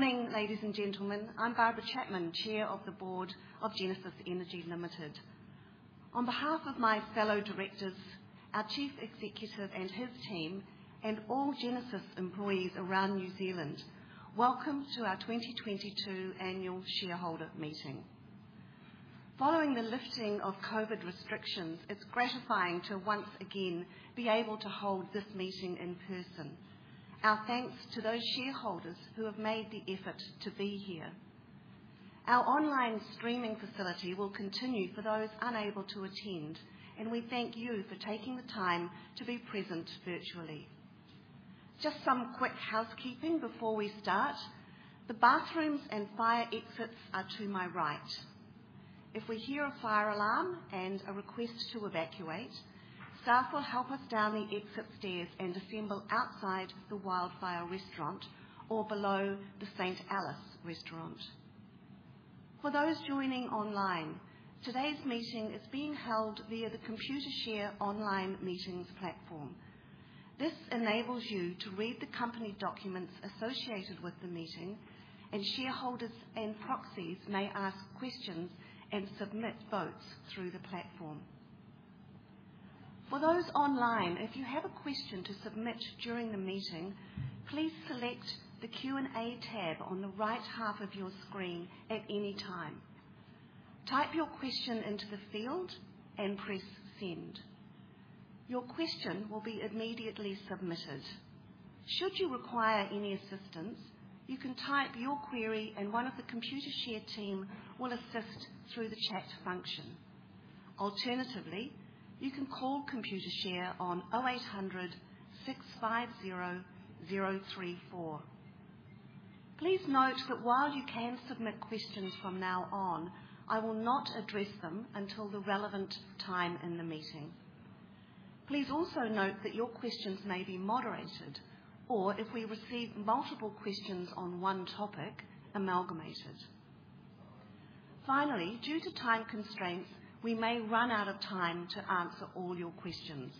Good morning, ladies and gentlemen. I'm Barbara Chapman, Chair of the board of Genesis Energy Limited. On behalf of my fellow directors, our Chief Executive and his team, and all Genesis employees around New Zealand, welcome to our 2022 Annual Shareholder Meeting. Following the lifting of COVID restrictions, it's gratifying to once again be able to hold this meeting in person. Our thanks to those shareholders who have made the effort to be here. Our online streaming facility will continue for those unable to attend, and we thank you for taking the time to be present virtually. Just some quick housekeeping before we start. The bathrooms and fire exits are to my right. If we hear a fire alarm and a request to evacuate, staff will help us down the exit stairs and assemble outside the Wildfire Restaurant or below the Saint Alice restaurant. For those joining online, today's meeting is being held via the Computershare online meetings platform. This enables you to read the company documents associated with the meeting, and shareholders and proxies may ask questions and submit votes through the platform. For those online, if you have a question to submit during the meeting, please select the Q&A tab on the right half of your screen at any time. Type your question into the field and press Send. Your question will be immediately submitted. Should you require any assistance, you can type your query and one of the Computershare team will assist through the chat function. Alternatively, you can call Computershare on 0800 650 034. Please note that while you can submit questions from now on, I will not address them until the relevant time in the meeting. Please also note that your questions may be moderated or, if we receive multiple questions on one topic, amalgamated. Finally, due to time constraints, we may run out of time to answer all your questions.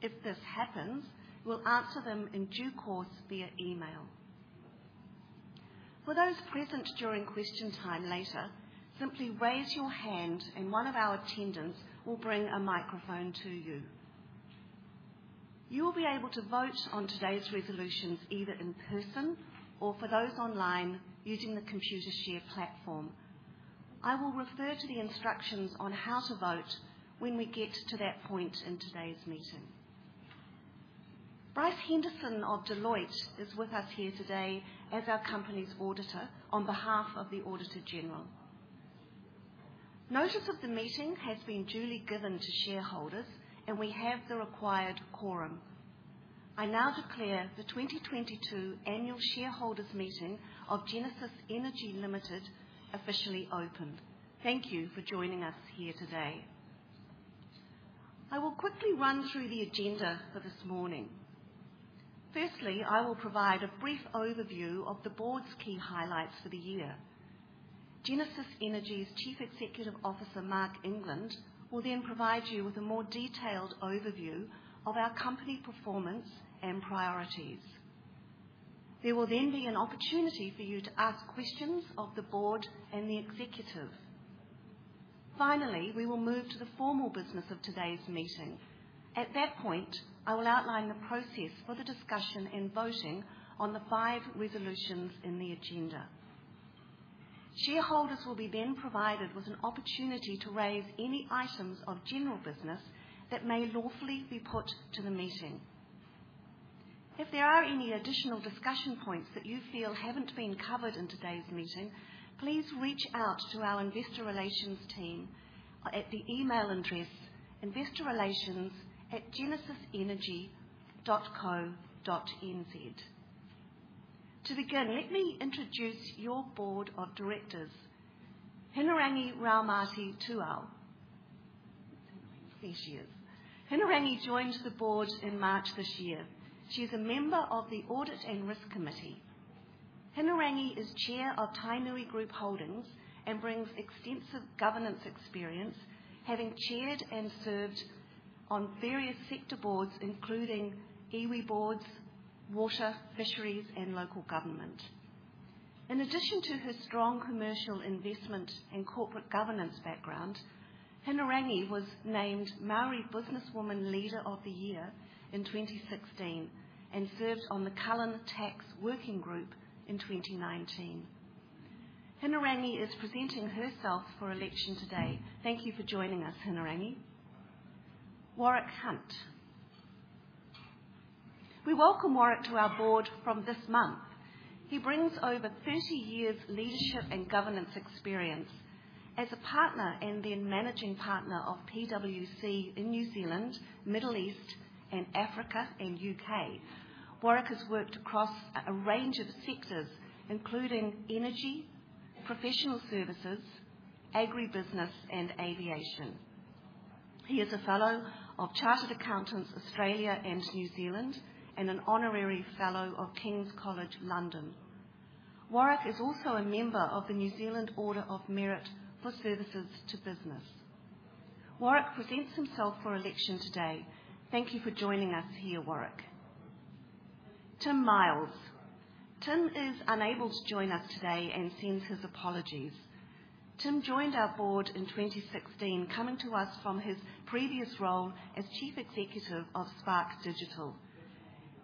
If this happens, we'll answer them in due course via email. For those present during question time later, simply raise your hand and one of our attendants will bring a microphone to you. You will be able to vote on today's resolutions either in person or, for those online, using the Computershare platform. I will refer to the instructions on how to vote when we get to that point in today's meeting. Bryce Henderson of Deloitte is with us here today as our company's auditor on behalf of the Auditor-General. Notice of the meeting has been duly given to shareholders, and we have the required quorum. I now declare the 2022 annual shareholders' meeting of Genesis Energy Limited officially open. Thank you for joining us here today. I will quickly run through the agenda for this morning. Firstly, I will provide a brief overview of the board's key highlights for the year. Genesis Energy's Chief Executive Officer, Marc England, will then provide you with a more detailed overview of our company performance and priorities. There will then be an opportunity for you to ask questions of the board and the executive. Finally, we will move to the formal business of today's meeting. At that point, I will outline the process for the discussion and voting on the five resolutions in the agenda. Shareholders will be then provided with an opportunity to raise any items of general business that may lawfully be put to the meeting. If there are any additional discussion points that you feel haven't been covered in today's meeting, please reach out to our investor relations team at the email address investorrelations@genesisenergy.co.nz. To begin, let me introduce your board of directors. Hinerangi Raumati-Tu'ua. There she is. Hinerangi joined the board in March this year. She is a member of the Audit and Risk Committee. Hinerangi is Chair of Tainui Group Holdings and brings extensive governance experience, having chaired and served on various sector boards including iwi boards, water, fisheries, and local government. In addition to her strong commercial investment and corporate governance background, Hinerangi was named Māori Woman Business Leader of the Year in 2016 and served on the Cullen Tax Working Group in 2019. Hinerangi is presenting herself for election today. Thank you for joining us, Hinerangi. Warwick Hunt. We welcome Warwick to our board from this month. He brings over 30 years leadership and governance experience. As a partner and then managing partner of PwC in New Zealand, Middle East, and Africa, and U.K., Warwick has worked across a range of sectors, including energy, professional services, agribusiness, and aviation. He is a Fellow of Chartered Accountants Australia and New Zealand and an Honorary Fellow of King's College London. Warwick is also a member of the New Zealand Order of Merit for services to business. Warwick presents himself for election today. Thank you for joining us here, Warwick. Tim Miles. Tim is unable to join us today and sends his apologies. Tim joined our board in 2016, coming to us from his previous role as Chief Executive of Spark Digital.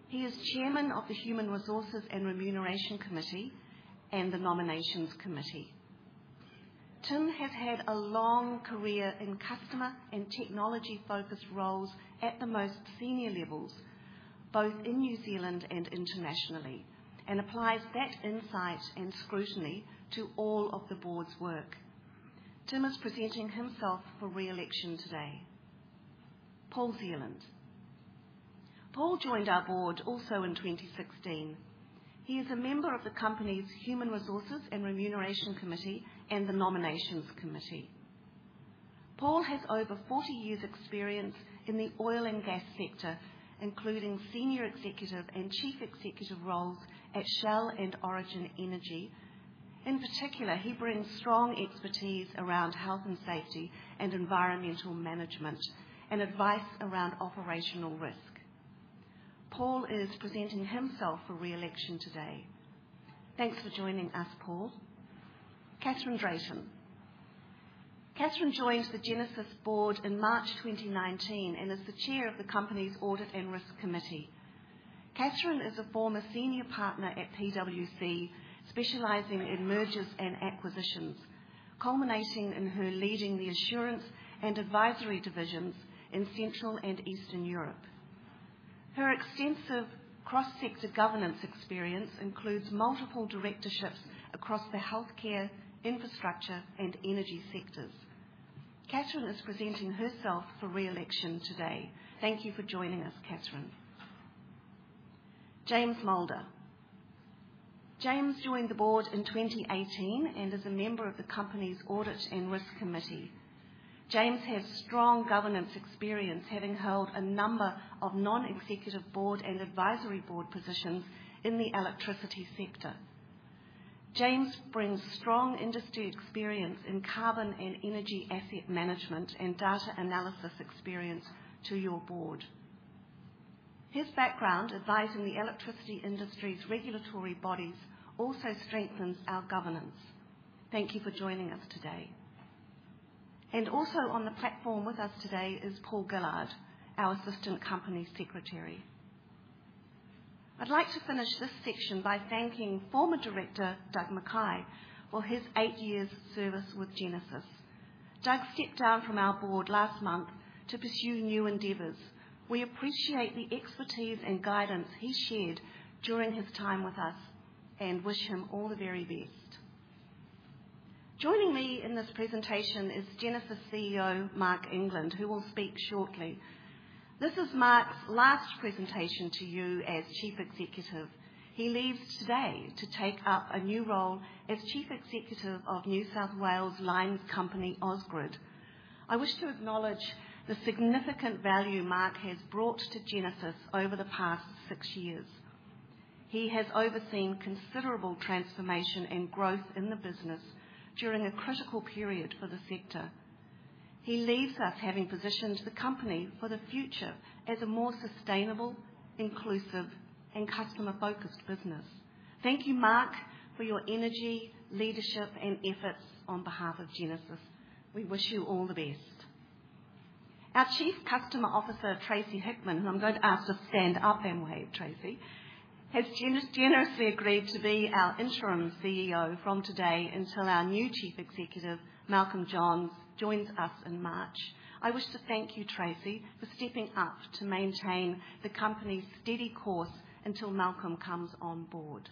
He is Chairman of the Human Resources and Remuneration Committee and the Nominations Committee. Tim has had a long career in customer and technology-focused roles at the most senior levels, both in New Zealand and internationally, and applies that insight and scrutiny to all of the board's work. Tim is presenting himself for re-election today. Paul Zealand. Paul joined our board also in 2016. He is a member of the company's Human Resources and Remuneration Committee and the Nominations Committee. Paul has over 40 years’ experience in the oil and gas sector, including senior executive and chief executive roles at Shell and Origin Energy. In particular, he brings strong expertise around health and safety and environmental management and advice around operational risk. Paul is presenting himself for re-election today. Thanks for joining us, Paul. Catherine Drayton. Catherine joined the Genesis board in March 2019 and is the Chair of the company's Audit and Risk Committee. Catherine is a former Senior Partner at PwC, specializing in mergers and acquisitions, culminating in her leading the assurance and advisory divisions in Central and Eastern Europe. Her extensive cross-sector governance experience includes multiple directorships across the healthcare, infrastructure, and energy sectors. Catherine is presenting herself for re-election today. Thank you for joining us, Catherine. James Moulder. James joined the board in 2018 and is a member of the company's Audit and Risk Committee. James has strong governance experience, having held a number of non-executive board and advisory board positions in the electricity sector. James brings strong industry experience in carbon and energy asset management and data analysis experience to your board. His background advising the electricity industry's regulatory bodies also strengthens our governance. Thank you for joining us today. Also on the platform with us today is Paul Gellard, our Assistant Company Secretary. I'd like to finish this section by thanking former director Doug McKay for his eight years' service with Genesis. Doug stepped down from our board last month to pursue new endeavors. We appreciate the expertise and guidance he shared during his time with us and wish him all the very best. Joining me in this presentation is Genesis CEO Marc England, who will speak shortly. This is Marc's last presentation to you as Chief Executive. He leaves today to take up a new role as Chief Executive of New South Wales lines company, Ausgrid. I wish to acknowledge the significant value Marc has brought to Genesis over the past six years. He has overseen considerable transformation and growth in the business during a critical period for the sector. He leaves us having positioned the company for the future as a more sustainable, inclusive, and customer-focused business. Thank you, Marc, for your energy, leadership, and efforts on behalf of Genesis. We wish you all the best. Our Chief Customer Officer, Tracey Hickman, who I'm going to ask to stand up and wave, Tracey, has generously agreed to be our Interim CEO from today until our new Chief Executive, Malcolm Johns, joins us in March. I wish to thank you, Tracey, for stepping up to maintain the company's steady course until Malcolm comes on board.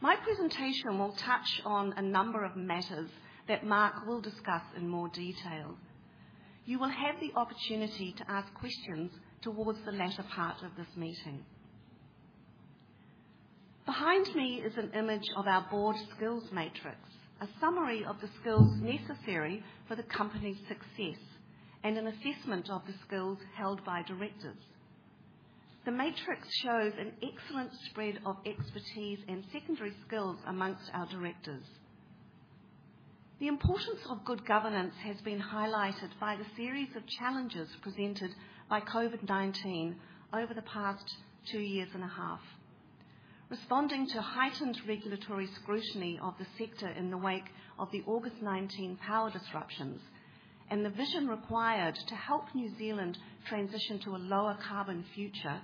My presentation will touch on a number of matters that Marc will discuss in more detail. You will have the opportunity to ask questions towards the latter part of this meeting. Behind me is an image of our board skills matrix, a summary of the skills necessary for the company's success, and an assessment of the skills held by directors. The matrix shows an excellent spread of expertise and secondary skills among our directors. The importance of good governance has been highlighted by the series of challenges presented by COVID-19 over the past two years and a half. Responding to heightened regulatory scrutiny of the sector in the wake of the August 2019 power disruptions and the vision required to help New Zealand transition to a lower carbon future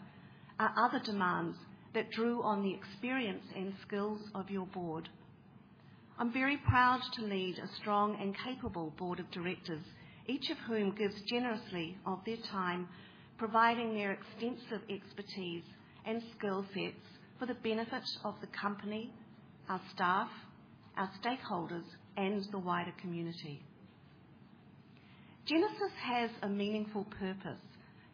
are other demands that drew on the experience and skills of your board. I'm very proud to lead a strong and capable board of directors, each of whom gives generously of their time, providing their extensive expertise and skill sets for the benefit of the company, our staff, our stakeholders, and the wider community. Genesis has a meaningful purpose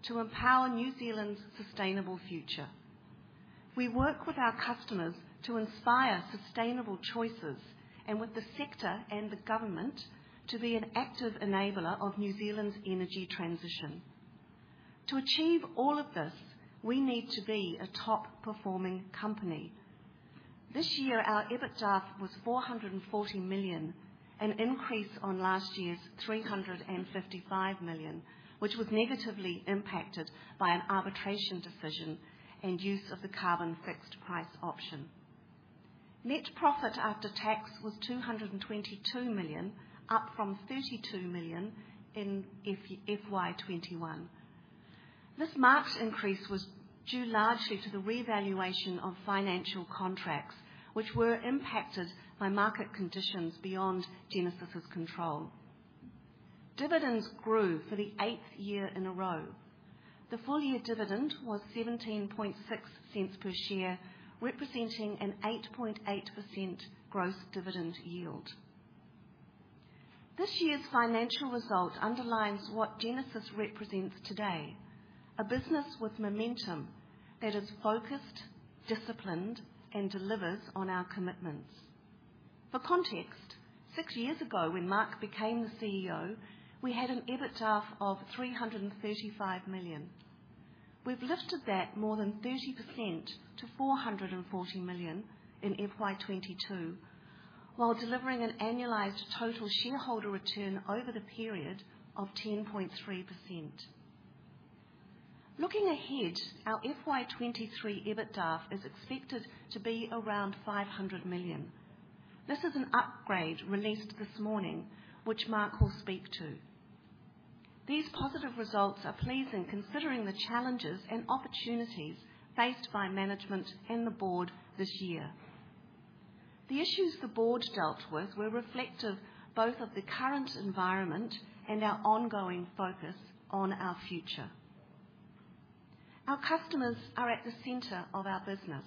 to empower New Zealand's sustainable future. We work with our customers to inspire sustainable choices and with the sector and the government to be an active enabler of New Zealand's energy transition. To achieve all of this, we need to be a top-performing company. This year, our EBITDA was 440 million, an increase on last year's 355 million, which was negatively impacted by an arbitration decision and use of the carbon fixed price option. Net profit after tax was 222 million, up from 32 million in FY 2021. This marked increase was due largely to the revaluation of financial contracts, which were impacted by market conditions beyond Genesis' control. Dividends grew for the eighth year in a row. The full-year dividend was 0.176 per share, representing an 8.8% gross dividend yield. This year's financial result underlines what Genesis represents today, a business with momentum that is focused, disciplined, and delivers on our commitments. For context, six years ago, when Marc became the CEO, we had an EBITDA of 335 million. We've lifted that more than 30% to 440 million in FY 2022, while delivering an annualized total shareholder return over the period of 10.3%. Looking ahead, our FY 2023 EBITDA is expected to be around 500 million. This is an upgrade released this morning, which Marc will speak to. These positive results are pleasing considering the challenges and opportunities faced by management and the board this year. The issues the board dealt with were reflective both of the current environment and our ongoing focus on our future. Our customers are at the center of our business,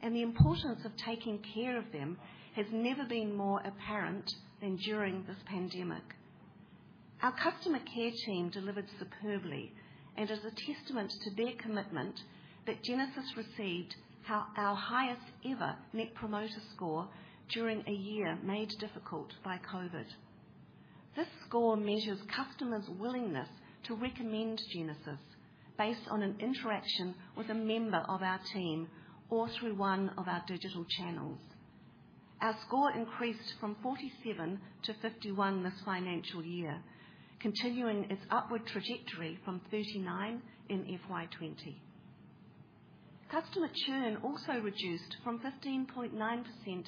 and the importance of taking care of them has never been more apparent than during this pandemic. Our customer care team delivered superbly, and as a testament to their commitment, Genesis received our highest ever net promoter score during a year made difficult by COVID. This score measures customers' willingness to recommend Genesis based on an interaction with a member of our team or through one of our digital channels. Our score increased from 47 to 51 this financial year, continuing its upward trajectory from 39 in FY 2020. Customer churn also reduced from 15.9% in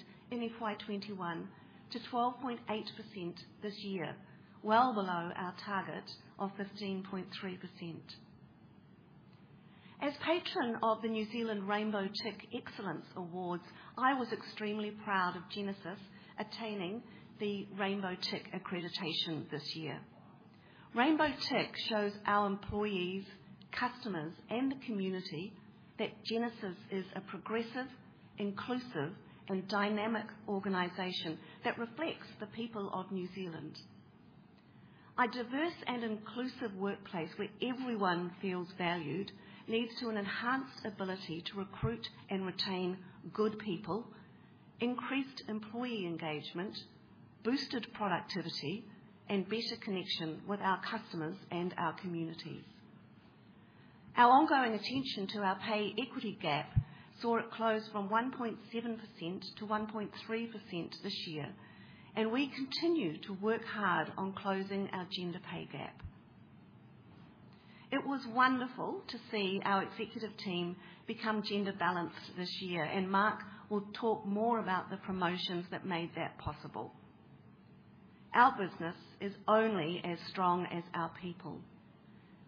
FY 2021 to 12.8% this year, well below our target of 15.3%. As patron of the New Zealand Rainbow Excellence Awards, I was extremely proud of Genesis attaining the Rainbow Tick accreditation this year. Rainbow Tick shows our employees, customers, and the community that Genesis is a progressive, inclusive, and dynamic organization that reflects the people of New Zealand. A diverse and inclusive workplace where everyone feels valued leads to an enhanced ability to recruit and retain good people, increased employee engagement, boosted productivity, and better connection with our customers and our communities. Our ongoing attention to our pay equity gap saw it close from 1.7%-1.3% this year, and we continue to work hard on closing our gender pay gap. It was wonderful to see our executive team become gender balanced this year, and Marc will talk more about the promotions that made that possible. Our business is only as strong as our people.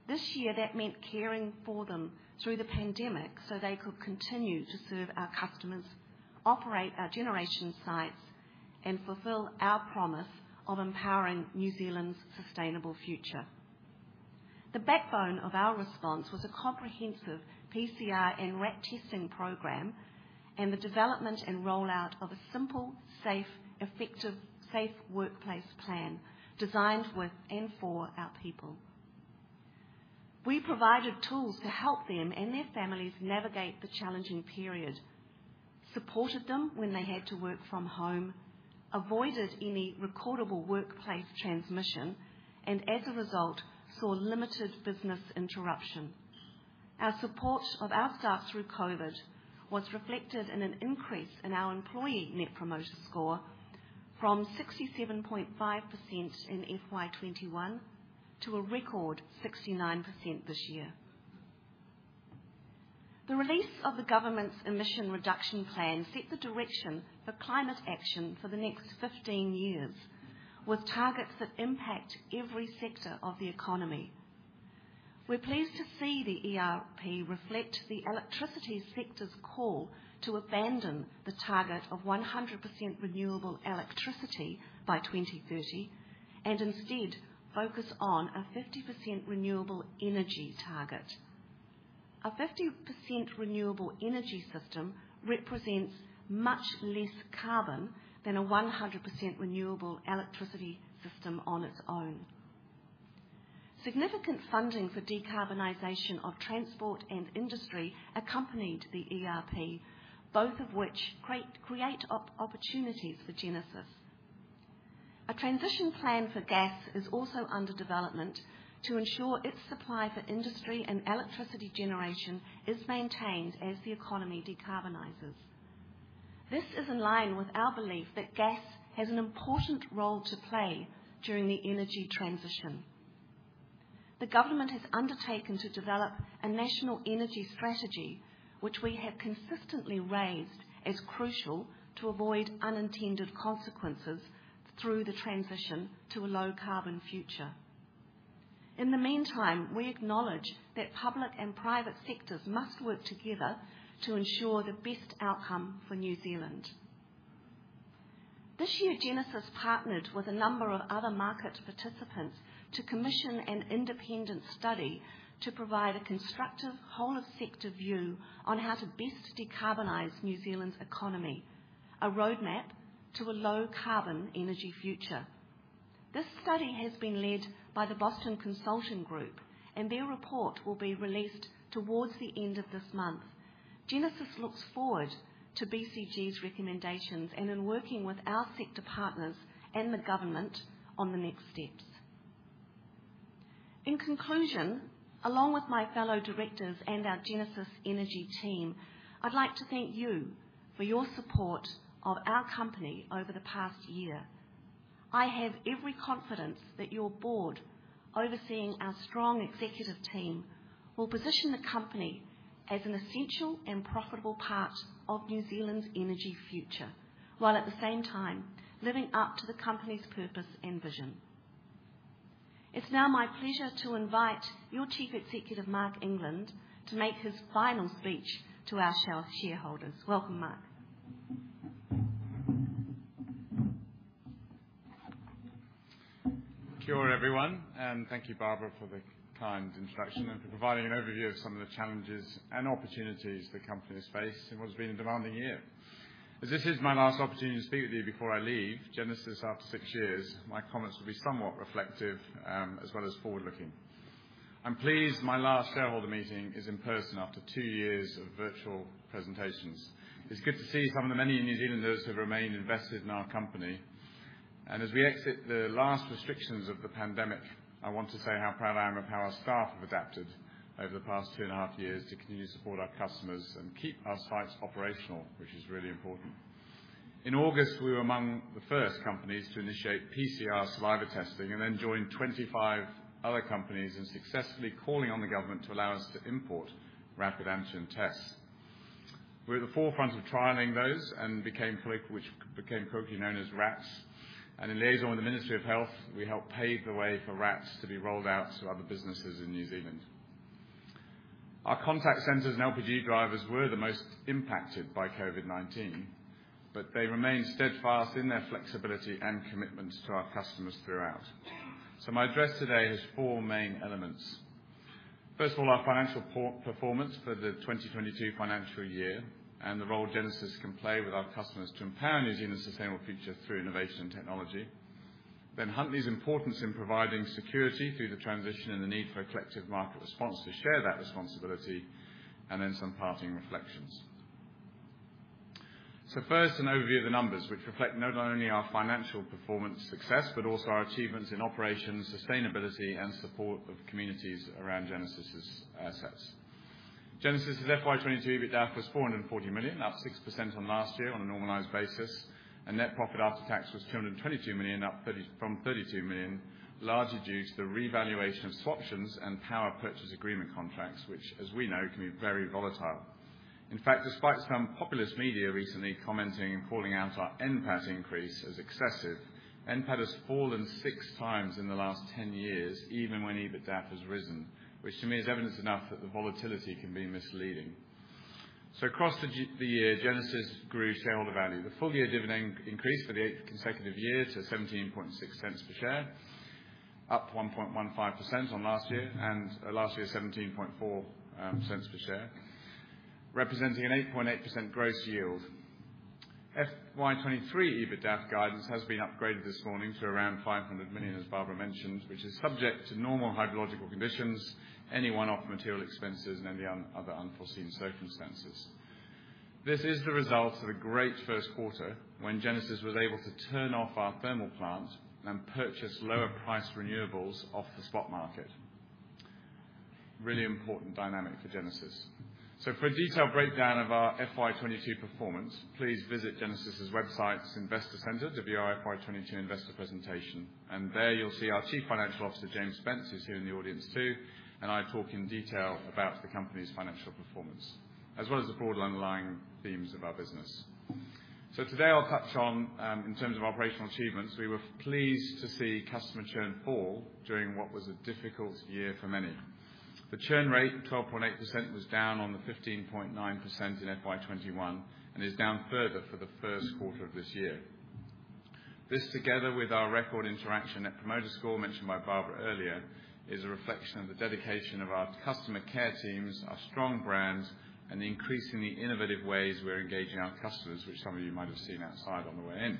This year, that meant caring for them through the pandemic so they could continue to serve our customers, operate our generation sites, and fulfill our promise of empowering New Zealand's sustainable future. The backbone of our response was a comprehensive PCR and RAT testing program and the development and rollout of a simple, safe, effective workplace plan designed with and for our people. We provided tools to help them and their families navigate the challenging period, supported them when they had to work from home, avoided any recordable workplace transmission, and as a result, saw limited business interruption. Our support of our staff through COVID was reflected in an increase in our employee net promoter score from 67.5% in FY 2021 to a record 69% this year. The release of the government's emission reduction plan set the direction for climate action for the next 15 years, with targets that impact every sector of the economy. We're pleased to see the ERP reflect the electricity sector's call to abandon the target of 100% renewable electricity by 2030 and instead focus on a 50% renewable energy target. A 50% renewable energy system represents much less carbon than a 100% renewable electricity system on its own. Significant funding for decarbonization of transport and industry accompanied the ERP, both of which create opportunities for Genesis. A transition plan for gas is also under development to ensure its supply for industry and electricity generation is maintained as the economy decarbonizes. This is in line with our belief that gas has an important role to play during the energy transition. The government has undertaken to develop a national energy strategy, which we have consistently raised as crucial to avoid unintended consequences through the transition to a low carbon future. In the meantime, we acknowledge that public and private sectors must work together to ensure the best outcome for New Zealand. This year, Genesis partnered with a number of other market participants to commission an independent study to provide a constructive whole sector view on how to best decarbonize New Zealand's economy, a roadmap to a low carbon energy future. This study has been led by the Boston Consulting Group, and their report will be released towards the end of this month. Genesis looks forward to BCG's recommendations and in working with our sector partners and the government on the next steps. In conclusion, along with my fellow directors and our Genesis Energy team, I'd like to thank you for your support of our company over the past year. I have every confidence that your board, overseeing our strong executive team, will position the company as an essential and profitable part of New Zealand's energy future, while at the same time living up to the company's purpose and vision. It's now my pleasure to invite your Chief Executive, Marc England, to make his final speech to our shareholders. Welcome, Marc. Kia ora, everyone, and thank you, Barbara, for the kind introduction and for providing an overview of some of the challenges and opportunities the company has faced in what has been a demanding year. As this is my last opportunity to speak with you before I leave Genesis after six years, my comments will be somewhat reflective, as well as forward-looking. I'm pleased my last shareholder meeting is in person after two years of virtual presentations. It's good to see some of the many New Zealanders who have remained invested in our company. As we exit the last restrictions of the pandemic, I want to say how proud I am of how our staff have adapted over the past two and a half years to continue to support our customers and keep our sites operational, which is really important. In August, we were among the first companies to initiate PCR saliva testing and then joined 25 other companies in successfully calling on the government to allow us to import rapid antigen tests. We're at the forefront of trialing those and became colloquially known as RATs. In liaison with the Ministry of Health, we helped pave the way for RATs to be rolled out to other businesses in New Zealand. Our contact centers and LPG drivers were the most impacted by COVID-19, but they remained steadfast in their flexibility and commitment to our customers throughout. My address today has four main elements. First of all, our financial performance for the 2022 financial year and the role Genesis can play with our customers to empower New Zealand's sustainable future through innovation and technology. Huntly's importance in providing security through the transition and the need for a collective market response to share that responsibility, and then some parting reflections. First, an overview of the numbers, which reflect not only our financial performance success, but also our achievements in operations, sustainability, and support of communities around Genesis' assets. Genesis' FY 2022 EBITDA was 440 million, up 6% on last year on a normalized basis, and net profit after tax was 222 million, up 30% from 32 million, largely due to the revaluation of swaptions and power purchase agreement contracts, which, as we know, can be very volatile. In fact, despite some populist media recently commenting and calling out our NPAT increase as excessive, NPAT has fallen six times in the last 10 years, even when EBITDA has risen, which to me is evidence enough that the volatility can be misleading. Across the year, Genesis grew shareholder value. The full-year dividend increased for the 8th consecutive year to 0.176 per share, up 1.15% on last year, and last year, 0.174 cents per share, representing an 8.8% gross yield. FY 2023 EBITDA guidance has been upgraded this morning to around 500 million, as Barbara mentioned, which is subject to normal hydrological conditions, any one-off material expenses and any other unforeseen circumstances. This is the result of a great first quarter when Genesis was able to turn off our thermal plant and purchase lower priced renewables off the spot market. Really important dynamic for Genesis. For a detailed breakdown of our FY 2022 performance, please visit Genesis' website's Investor Center to view our FY 2022 investor presentation. There you'll see our Chief Financial Officer, James Spence, who's here in the audience too, and I talk in detail about the company's financial performance, as well as the broader underlying themes of our business. Today I'll touch on, in terms of operational achievements, we were pleased to see customer churn fall during what was a difficult year for many. The churn rate, 12.8%, was down on the 15.9% in FY 2021 and is down further for the first quarter of this year. This, together with our record net promoter score mentioned by Barbara earlier, is a reflection of the dedication of our customer care teams, our strong brands, and the increasingly innovative ways we're engaging our customers, which some of you might have seen outside on the way in.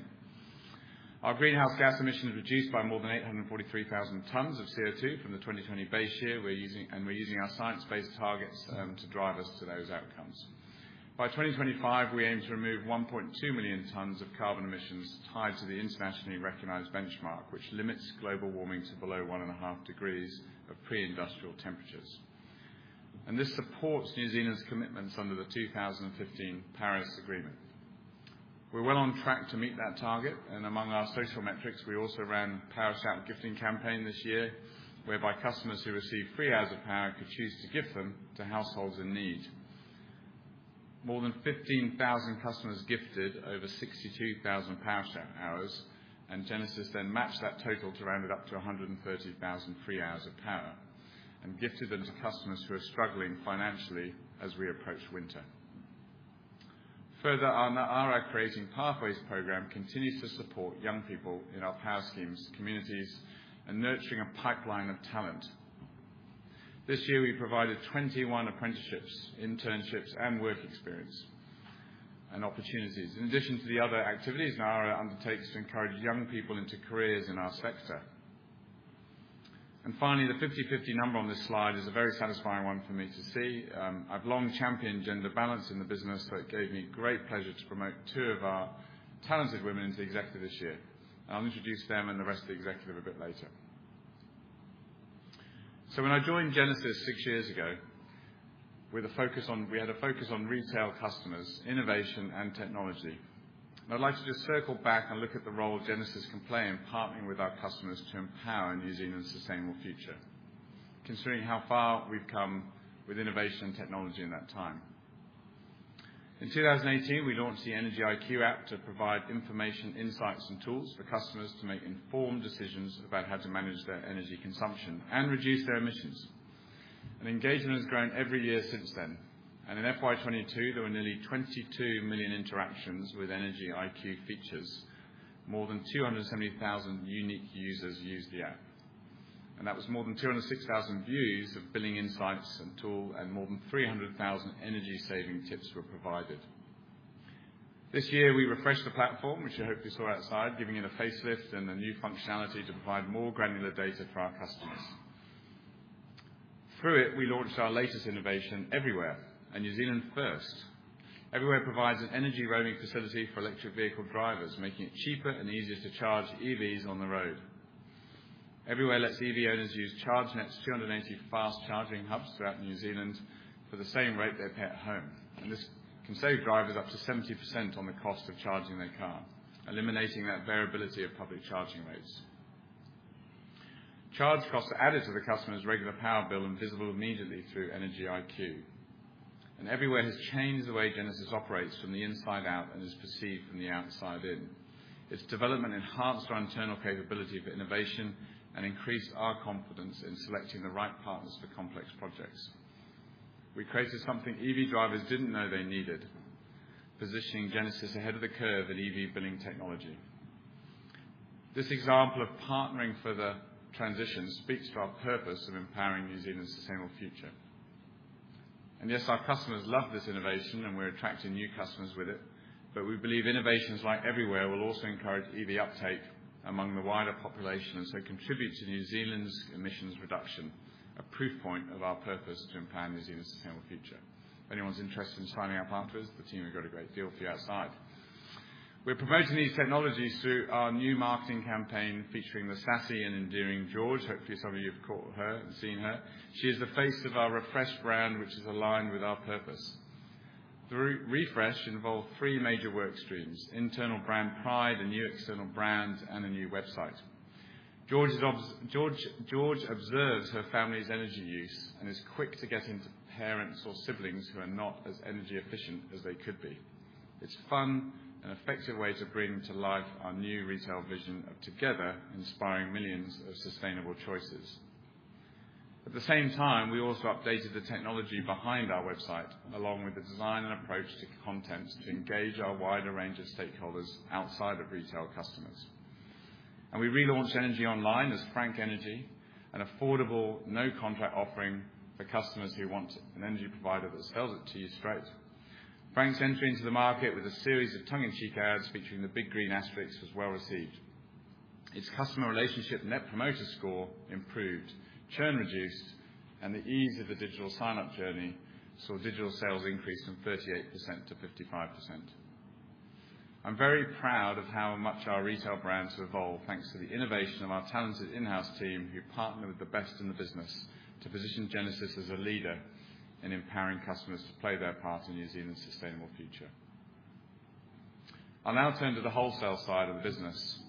Our greenhouse gas emissions reduced by more than 843,000 tons of CO2 from the 2020 base year. We're using our Science-Based Targets to drive us to those outcomes. By 2025, we aim to remove 1.2 million tons of carbon emissions tied to the internationally recognized benchmark, which limits global warming to below one and a half degrees of pre-industrial temperatures. This supports New Zealand's commitments under the 2015 Paris Agreement. We're well on track to meet that target, and among our social metrics, we also ran Powershop gifting campaign this year, whereby customers who receive free hours of power could choose to gift them to households in need. More than 15,000 customers gifted over 62,000 Powershop hours, and Genesis then matched that total to round it up to 130,000 free hours of power and gifted them to customers who are struggling financially as we approach winter. Further, our Creating Pathways program continues to support young people in our power schemes, communities and nurturing a pipeline of talent. This year, we provided 21 apprenticeships, internships, and work experience and opportunities. In addition to the other activities, now undertakes to encourage young people into careers in our sector. Finally, the 50/50 number on this slide is a very satisfying one for me to see. I've long championed gender balance in the business, so it gave me great pleasure to promote two of our talented women into executive this year. I'll introduce them and the rest of the executive a bit later. When I joined Genesis six years ago, with a focus on retail customers, innovation and technology. I'd like to just circle back and look at the role Genesis can play in partnering with our customers to empower New Zealand's sustainable future, considering how far we've come with innovation and technology in that time. In 2018, we launched the Energy IQ app to provide information, insights and tools for customers to make informed decisions about how to manage their energy consumption and reduce their emissions. Engagement has grown every year since then. In FY 2022, there were nearly 22 million interactions with Energy IQ features. More than 270,000 unique users used the app. That was more than 206,000 views of billing insights and tool, and more than 300,000 energy saving tips were provided. This year, we refreshed the platform, which I hope you saw outside, giving it a facelift and a new functionality to provide more granular data for our customers. Through it, we launched our latest innovation, EVerywhere, a New Zealand first. EVerywhere provides an energy roaming facility for electric vehicle drivers, making it cheaper and easier to charge EVs on the road. EVerywhere lets EV owners use ChargeNet's 280 fast charging hubs throughout New Zealand for the same rate they pay at home. This can save drivers up to 70% on the cost of charging their car, eliminating that variability of public charging rates. Charge costs are added to the customer's regular power bill and visible immediately through Energy IQ. EVerywhere has changed the way Genesis operates from the inside out and is perceived from the outside in. Its development enhanced our internal capability of innovation and increased our confidence in selecting the right partners for complex projects. We created something EV drivers didn't know they needed, positioning Genesis ahead of the curve in EV billing technology. This example of partnering for the transition speaks to our purpose of empowering New Zealand's sustainable future. Yes, our customers love this innovation, and we're attracting new customers with it, but we believe innovations like EVerywhere will also encourage EV uptake among the wider population, and so contribute to New Zealand's emissions reduction, a proof point of our purpose to empower New Zealand's sustainable future. If anyone's interested in signing up after this, the team have got a great deal for you outside. We're promoting these technologies through our new marketing campaign featuring the sassy and endearing George. Hopefully, some of you have caught her and seen her. She is the face of our refreshed brand, which is aligned with our purpose. The re-refresh involved three major work streams, internal brand pride, a new external brand, and a new website. George observes her family's energy use and is quick to get into parents or siblings who are not as energy efficient as they could be. It's fun and effective way to bring to life our new retail vision of together inspiring millions of sustainable choices. At the same time, we also updated the technology behind our website, along with the design and approach to content to engage our wider range of stakeholders outside of retail customers. We relaunched Energy Online as Frank Energy, an affordable, no-contract offering for customers who want an energy provider that sells it to you straight. Frank's entry into the market with a series of tongue-in-cheek ads featuring the big green asterisk was well-received. Its customer relationship net promoter score improved, churn reduced, and the ease of the digital sign-up journey saw digital sales increase from 38%-55%. I'm very proud of how much our retail brands have evolved, thanks to the innovation of our talented in-house team, who partner with the best in the business to position Genesis as a leader in empowering customers to play their part in New Zealand's sustainable future. I'll now turn to the wholesale side of the business.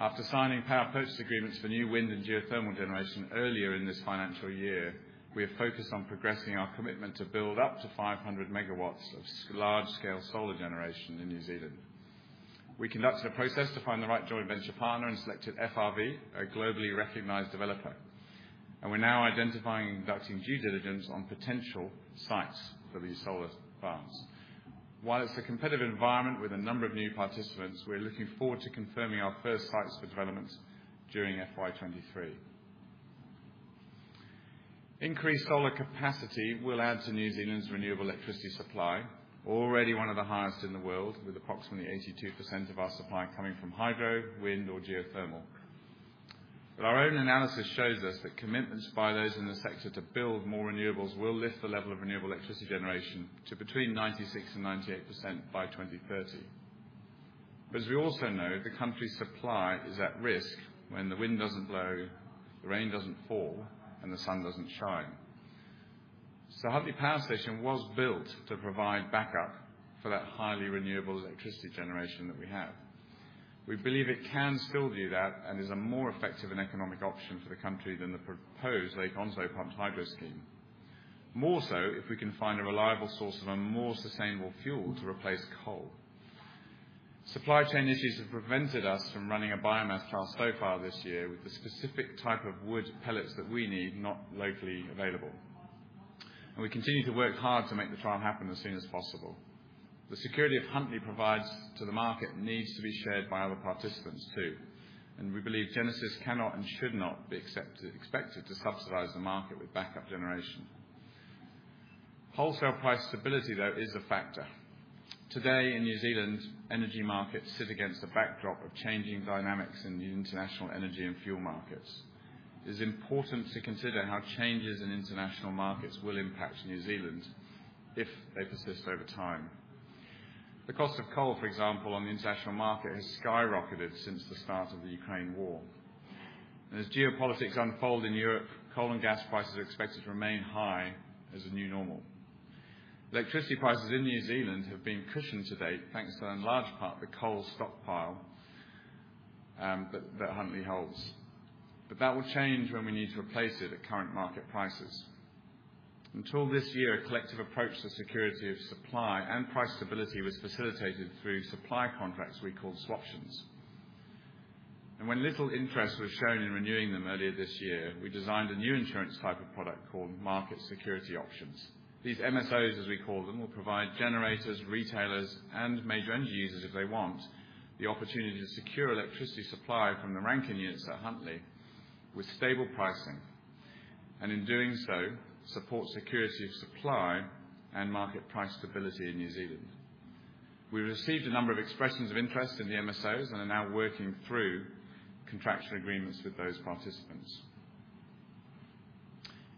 After signing power purchase agreements for new wind and geothermal generation earlier in this financial year, we are focused on progressing our commitment to build up to 500 MW of large-scale solar generation in New Zealand. We conducted a process to find the right joint venture partner and selected FRV, a globally recognized developer. We're now identifying and conducting due diligence on potential sites for these solar farms. While it's a competitive environment with a number of new participants, we're looking forward to confirming our first sites for development during FY 2023. Increased solar capacity will add to New Zealand's renewable electricity supply, already one of the highest in the world, with approximately 82% of our supply coming from hydro, wind, or geothermal. Our own analysis shows us that commitments by those in the sector to build more renewables will lift the level of renewable electricity generation to between 96% and 98% by 2030. As we also know, the country's supply is at risk when the wind doesn't blow, the rain doesn't fall, and the sun doesn't shine. Huntly Power Station was built to provide backup for that highly renewable electricity generation that we have. We believe it can still do that and is a more effective and economic option for the country than the proposed Lake Onslow pumped hydro scheme. More so, if we can find a reliable source of a more sustainable fuel to replace coal. Supply chain issues have prevented us from running a biomass trial stockpile this year with the specific type of wood pellets that we need, not locally available. We continue to work hard to make the trial happen as soon as possible. The security that Huntly provides to the market needs to be shared by other participants too, and we believe Genesis cannot and should not be expected to subsidize the market with backup generation. Wholesale price stability, though, is a factor. Today in New Zealand, energy markets sit against a backdrop of changing dynamics in the international energy and fuel markets. It is important to consider how changes in international markets will impact New Zealand if they persist over time. The cost of coal, for example, on the international market has skyrocketed since the start of the Ukraine war. As geopolitics unfold in Europe, coal and gas prices are expected to remain high as a new normal. Electricity prices in New Zealand have been cushioned to date, thanks in large part to the coal stockpile that Huntly holds. That will change when we need to replace it at current market prices. Until this year, a collective approach to security of supply and price stability was facilitated through supply contracts we call swaptions. When little interest was shown in renewing them earlier this year, we designed a new insurance-type product called Market Security Options. These MSOs, as we call them, will provide generators, retailers, and major energy users if they want the opportunity to secure electricity supply from the Rankine units at Huntly with stable pricing, and in doing so, support security of supply and market price stability in New Zealand. We received a number of expressions of interest in the MSOs and are now working through contractual agreements with those participants.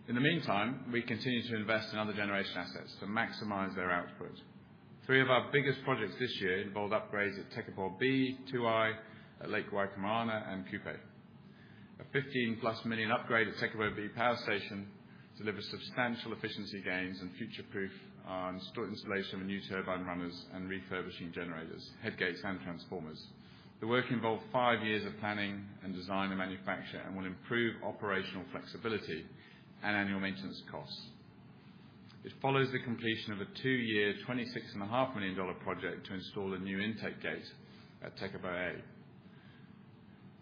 In the meantime, we continue to invest in other generation assets to maximize their output. Three of our biggest projects this year involved upgrades at Tekapo B, Tuai, at Lake Waikaremoana, and Kupe. A 15+ million upgrade at Tekapo B Power Station delivers substantial efficiency gains and future-proofing installation of new turbine runners and refurbishing generators, headgates, and transformers. The work involved five years of planning and design and manufacture and will improve operational flexibility and annual maintenance costs. It follows the completion of a two-year, 26.5 million dollar project to install a new intake gate at Tekapo A.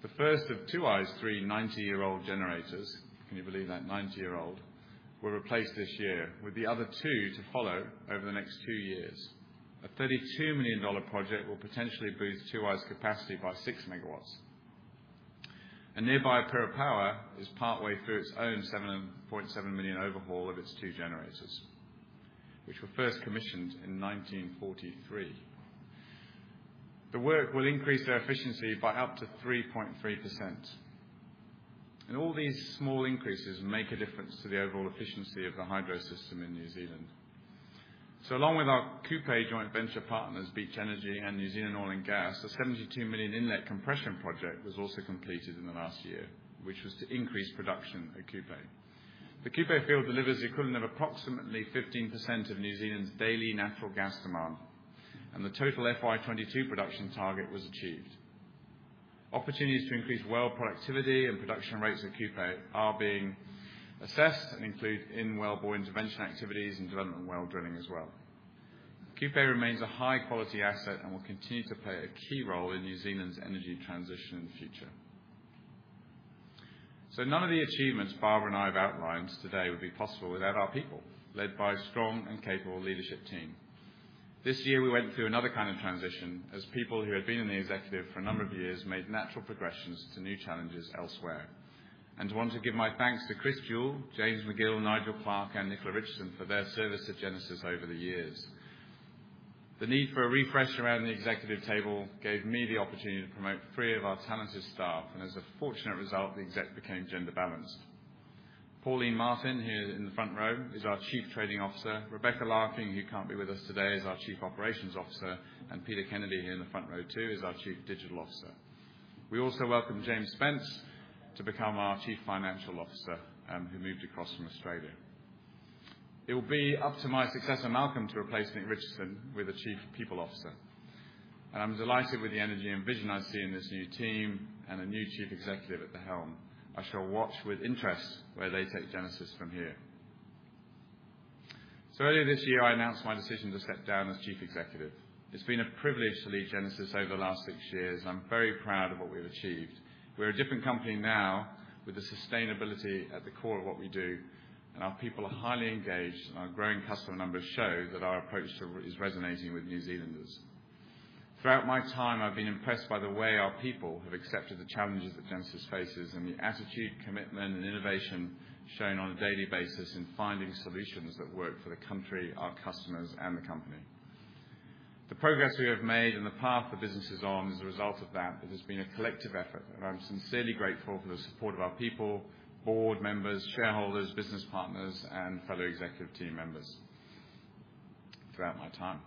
The first of Tuai's three 90-year-old generators, can you believe that? 90-year-old, were replaced this year, with the other two to follow over the next two years. A 32 million dollar project will potentially boost Tuai's capacity by 6 MW. Nearby, PurePower is partway through its own 7.7 million overhaul of its two generators, which were first commissioned in 1943. The work will increase their efficiency by up to 3.3%. All these small increases make a difference to the overall efficiency of the hydro system in New Zealand. Along with our Kupe joint venture partners, Beach Energy and New Zealand Oil & Gas, a 72 million inlet compression project was also completed in the last year, which was to increase production at Kupe. The Kupe field delivers the equivalent of approximately 15% of New Zealand's daily natural gas demand, and the total FY 2022 production target was achieved. Opportunities to increase well productivity and production rates at Kupe are being assessed and include in wellbore intervention activities and development well drilling as well. Kupe remains a high-quality asset and will continue to play a key role in New Zealand's energy transition in the future. None of the achievements Barbara and I have outlined today would be possible without our people, led by a strong and capable leadership team. This year, we went through another kind of transition as people who had been in the executive for a number of years made natural progressions to new challenges elsewhere. Want to give my thanks to Chris Jewell, James Magill, Nigel Clark, and Nicola Richardson for their service to Genesis over the years. The need for a refresh around the executive table gave me the opportunity to promote three of our talented staff, and as a fortunate result, the exec became gender-balanced. Pauline Martin, here in the front row, is our Chief Trading Officer. Rebecca Larking, who can't be with us today, is our Chief Operations Officer. Peter Kennedy here in the front row too, is our Chief Digital Officer. We also welcome James Spence to become our Chief Financial Officer, who moved across from Australia. It will be up to my successor, Malcolm, to replace Nicola Richardson with a Chief People Officer. I'm delighted with the energy and vision I see in this new team and a new chief executive at the helm. I shall watch with interest where they take Genesis from here. Earlier this year, I announced my decision to step down as chief executive. It's been a privilege to lead Genesis over the last six years. I'm very proud of what we've achieved. We're a different company now with the sustainability at the core of what we do, and our people are highly engaged, and our growing customer numbers show that our approach to it is resonating with New Zealanders. Throughout my time, I've been impressed by the way our people have accepted the challenges that Genesis faces and the attitude, commitment, and innovation shown on a daily basis in finding solutions that work for the country, our customers, and the company. The progress we have made and the path the business is on as a result of that. It has been a collective effort, and I'm sincerely grateful for the support of our people, board members, shareholders, business partners, and fellow executive team members throughout my time.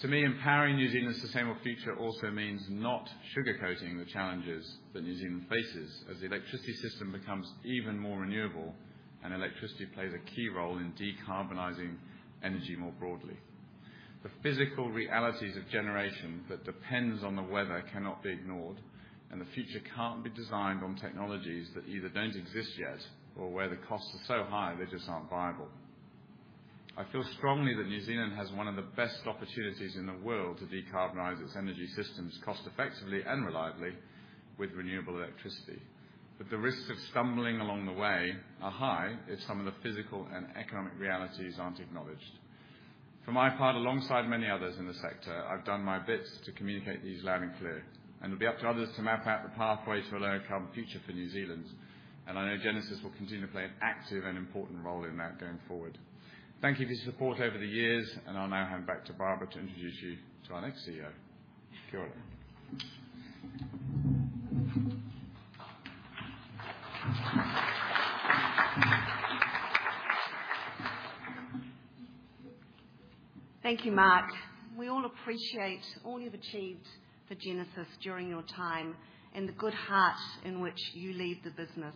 To me, empowering New Zealand's sustainable future also means not sugarcoating the challenges that New Zealand faces as the electricity system becomes even more renewable and electricity plays a key role in decarbonizing energy more broadly. The physical realities of generation that depends on the weather cannot be ignored, and the future can't be designed on technologies that either don't exist yet or where the costs are so high they just aren't viable. I feel strongly that New Zealand has one of the best opportunities in the world to decarbonize its energy systems cost effectively and reliably with renewable electricity. The risks of stumbling along the way are high if some of the physical and economic realities aren't acknowledged. For my part, alongside many others in the sector, I've done my bit to communicate these loud and clear, and it'll be up to others to map out the pathway to a low carbon future for New Zealand. I know Genesis will continue to play an active and important role in that going forward. Thank you for your support over the years, and I'll now hand back to Barbara to introduce you to our next CEO. Kia ora. Thank you, Marc England. We all appreciate all you've achieved for Genesis during your time and the good heart in which you leave the business.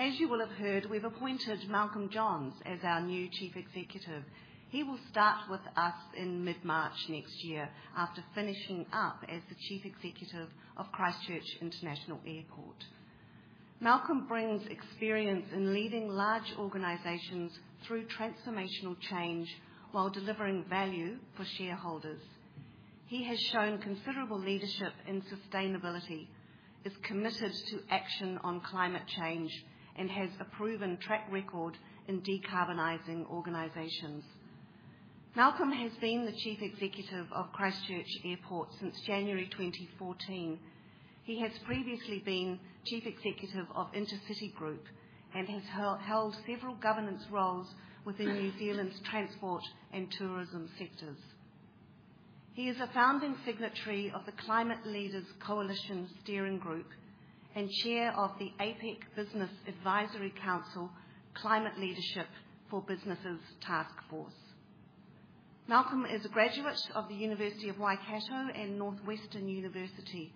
As you will have heard, we've appointed Malcolm Johns as our new Chief Executive. He will start with us in mid-March next year after finishing up as the Chief Executive of Christchurch International Airport. Malcolm brings experience in leading large organizations through transformational change while delivering value for shareholders. He has shown considerable leadership in sustainability, is committed to action on climate change, and has a proven track record in decarbonizing organizations. Malcolm has been the Chief Executive of Christchurch Airport since January 2014. He has previously been Chief Executive of InterCity Group and has held several governance roles within New Zealand's transport and tourism sectors. He is a founding signatory of the Climate Leaders Coalition Steering Group and chair of the APEC Business Advisory Council Climate Leadership for Businesses task force. Malcolm is a graduate of the University of Waikato and Northwestern University.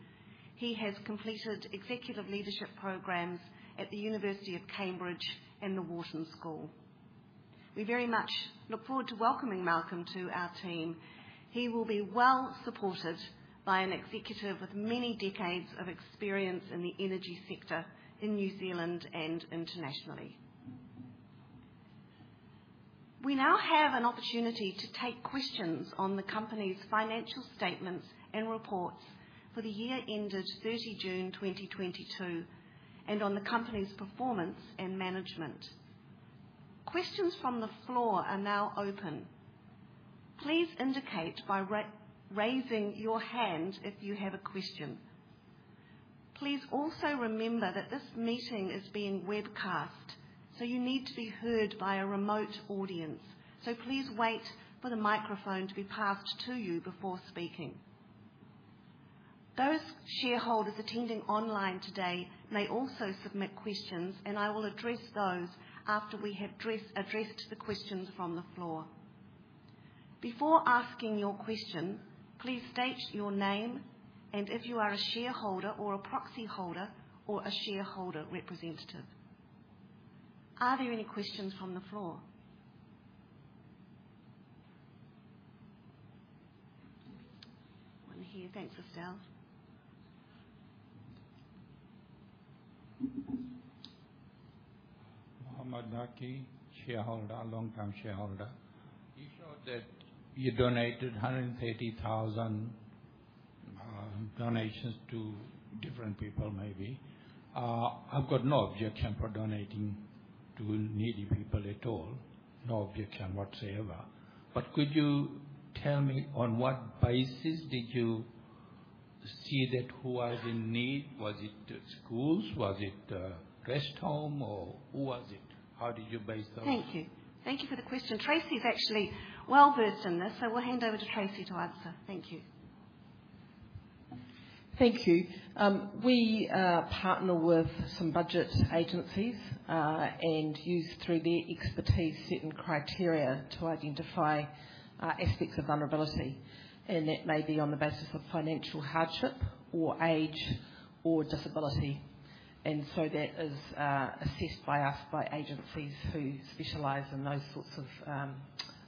He has completed executive leadership programs at the University of Cambridge and The Wharton School. We very much look forward to welcoming Malcolm to our team. He will be well-supported by an executive with many decades of experience in the energy sector in New Zealand and internationally. We now have an opportunity to take questions on the company's financial statements and reports for the year ended 30 June 2022 and on the company's performance and management. Questions from the floor are now open. Please indicate by raising your hand if you have a question. Please also remember that this meeting is being webcast, so you need to be heard by a remote audience. Please wait for the microphone to be passed to you before speaking. Those shareholders attending online today may also submit questions, and I will address those after we have addressed the questions from the floor. Before asking your question, please state your name and if you are a shareholder or a proxyholder or a shareholder representative. Are there any questions from the floor? One here. Thanks. Muhammad Naqi, shareholder, longtime shareholder. You showed that you donated 130,000 donations to different people, maybe. I've got no objection for donating to needy people at all, no objection whatsoever. Could you tell me on what basis did you see that who was in need? Was it schools? Was it a rest home, or who was it? How did you base that on? Thank you. Thank you for the question. Tracey is actually well-versed in this, so we'll hand over to Tracey to answer. Thank you. Thank you. We partner with some budget agencies and use through their expertise certain criteria to identify aspects of vulnerability. That may be on the basis of financial hardship or age or disability. That is assessed by us, by agencies who specialize in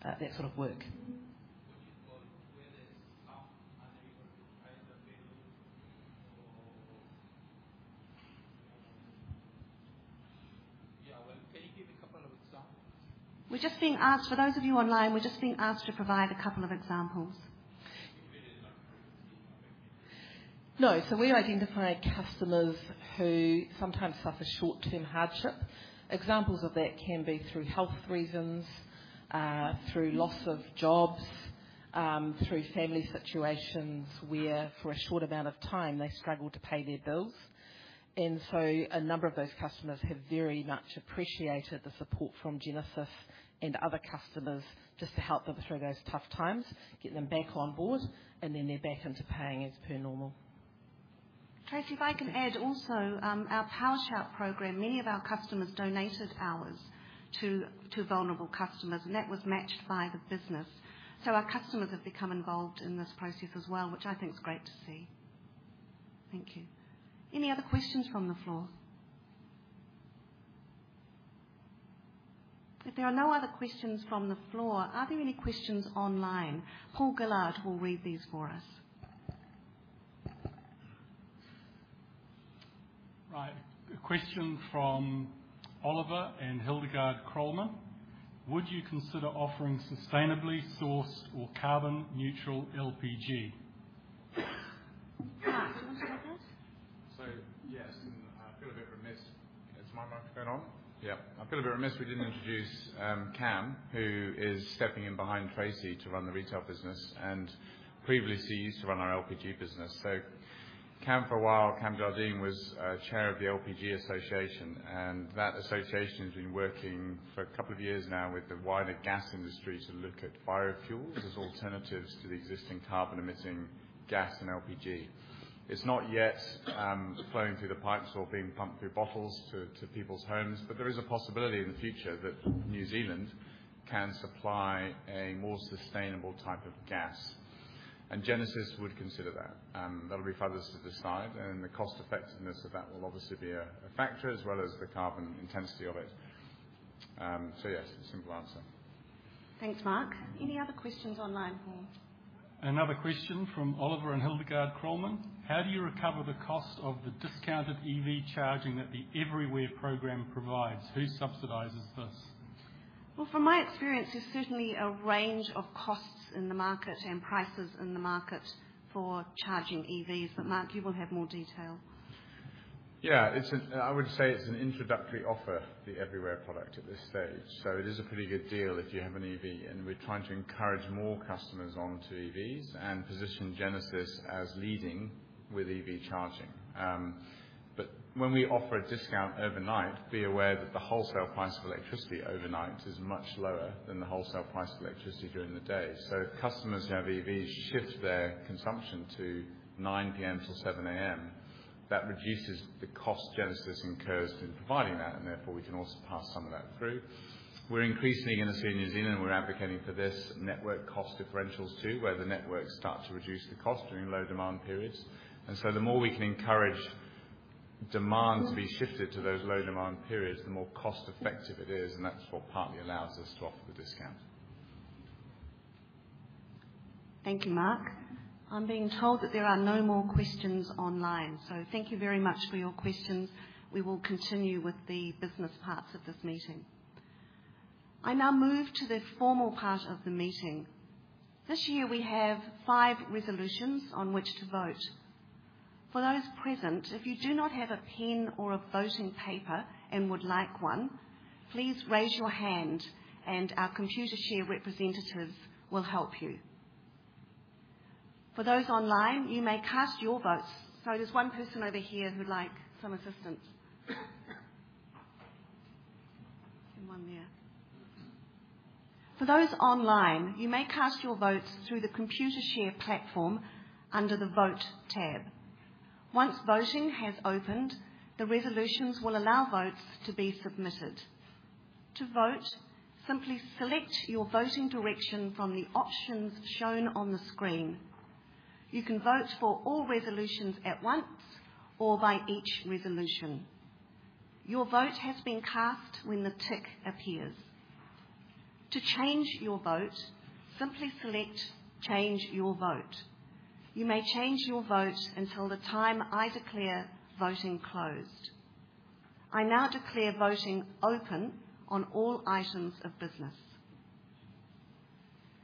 that sort of work. What you call it where there's some category of the price available for. Yeah. Well, can you give a couple of examples? For those of you online, we're just being asked to provide a couple of examples. Give it in, like No. We identify customers who sometimes suffer short-term hardship. Examples of that can be through health reasons, through loss of jobs, through family situations where for a short amount of time they struggle to pay their bills. A number of those customers have very much appreciated the support from Genesis and other customers just to help them through those tough times, get them back on board, and then they're back into paying as per normal. Tracey, if I can add also, our Power Shout program, many of our customers donated hours to vulnerable customers, and that was matched by the business. Our customers have become involved in this process as well, which I think is great to see. Thank you. Any other questions from the floor? If there are no other questions from the floor, are there any questions online? Paul Gellard will read these for us. Right. A question from Oliver and Hildegard Crollmann: Would you consider offering sustainably sourced or carbon neutral LPG? Marc, do you want to take this? I feel a bit remiss. Is my microphone on? Yeah. I feel a bit remiss we didn't introduce Cam, who is stepping in behind Tracey to run the retail business, and previously he used to run our LPG business. Cam, for a while, Cam Jardine was Chair of the LPG Association, and that association has been working for a couple of years now with the wider gas industry to look at biofuels as alternatives to the existing carbon emitting gas and LPG. It's not yet flowing through the pipes or being pumped through bottles to people's homes, but there is a possibility in the future that New Zealand can supply a more sustainable type of gas. Genesis would consider that. That'll be for others to decide, and the cost-effectiveness of that will obviously be a factor as well as the carbon intensity of it. So yes, simple answer. Thanks, Marc. Any other questions online, Paul? Another question from Oliver and Hildegard Crollmann. How do you recover the cost of the discounted EV charging that the EVerywhere program provides? Who subsidizes this? Well, from my experience, there's certainly a range of costs in the market and prices in the market for charging EVs, but Marc, you will have more detail. Yeah. I would say it's an introductory offer, the EVerywhere product, at this stage. It is a pretty good deal if you have an EV, and we're trying to encourage more customers onto EVs and position Genesis as leading with EV charging. But when we offer a discount overnight, be aware that the wholesale price of electricity overnight is much lower than the wholesale price of electricity during the day. If customers who have EVs shift their consumption to 9:00 P.M. till 7:00 A.M., that reduces the cost Genesis incurs in providing that, and therefore we can also pass some of that through. We're increasingly gonna see in New Zealand, we're advocating for this network cost differentials too, where the networks start to reduce the cost during low demand periods. The more we can encourage demand to be shifted to those low demand periods, the more cost effective it is, and that's what partly allows us to offer the discount. Thank you, Marc. I'm being told that there are no more questions online, so thank you very much for your questions. We will continue with the business parts of this meeting. I now move to the formal part of the meeting. This year we have five resolutions on which to vote. For those present, if you do not have a pen or a voting paper and would like one, please raise your hand and our Computershare representatives will help you. For those online, you may cast your votes. Sorry, there's one person over here who'd like some assistance. One there. For those online, you may cast your votes through the Computershare platform under the Vote tab. Once voting has opened, the resolutions will allow votes to be submitted. To vote, simply select your voting direction from the options shown on the screen. You can vote for all resolutions at once or by each resolution. Your vote has been cast when the tick appears. To change your vote, simply select Change Your Vote. You may change your vote until the time I declare voting closed. I now declare voting open on all items of business.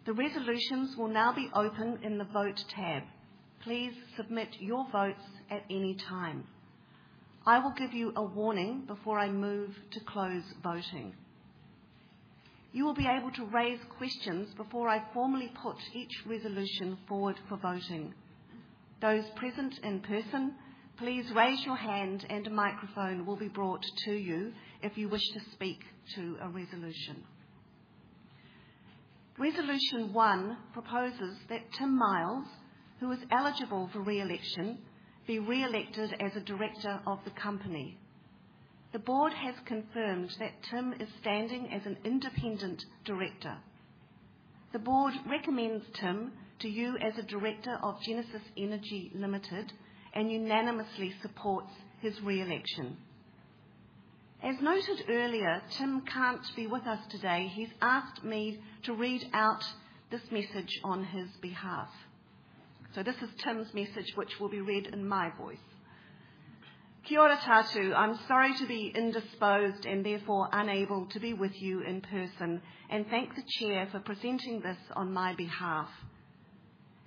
The resolutions will now be open in the Vote tab. Please submit your votes at any time. I will give you a warning before I move to close voting. You will be able to raise questions before I formally put each resolution forward for voting. Those present in person, please raise your hand and a microphone will be brought to you if you wish to speak to a resolution. Resolution one proposes that Tim Miles, who is eligible for re-election, be re-elected as a director of the company. The board has confirmed that Tim is standing as an independent director. The board recommends Tim to you as a director of Genesis Energy Limited and unanimously supports his re-election. As noted earlier, Tim can't be with us today. He's asked me to read out this message on his behalf. This is Tim's message, which will be read in my voice. Kia ora koutou. I'm sorry to be indisposed and therefore unable to be with you in person, and thank the Chair for presenting this on my behalf.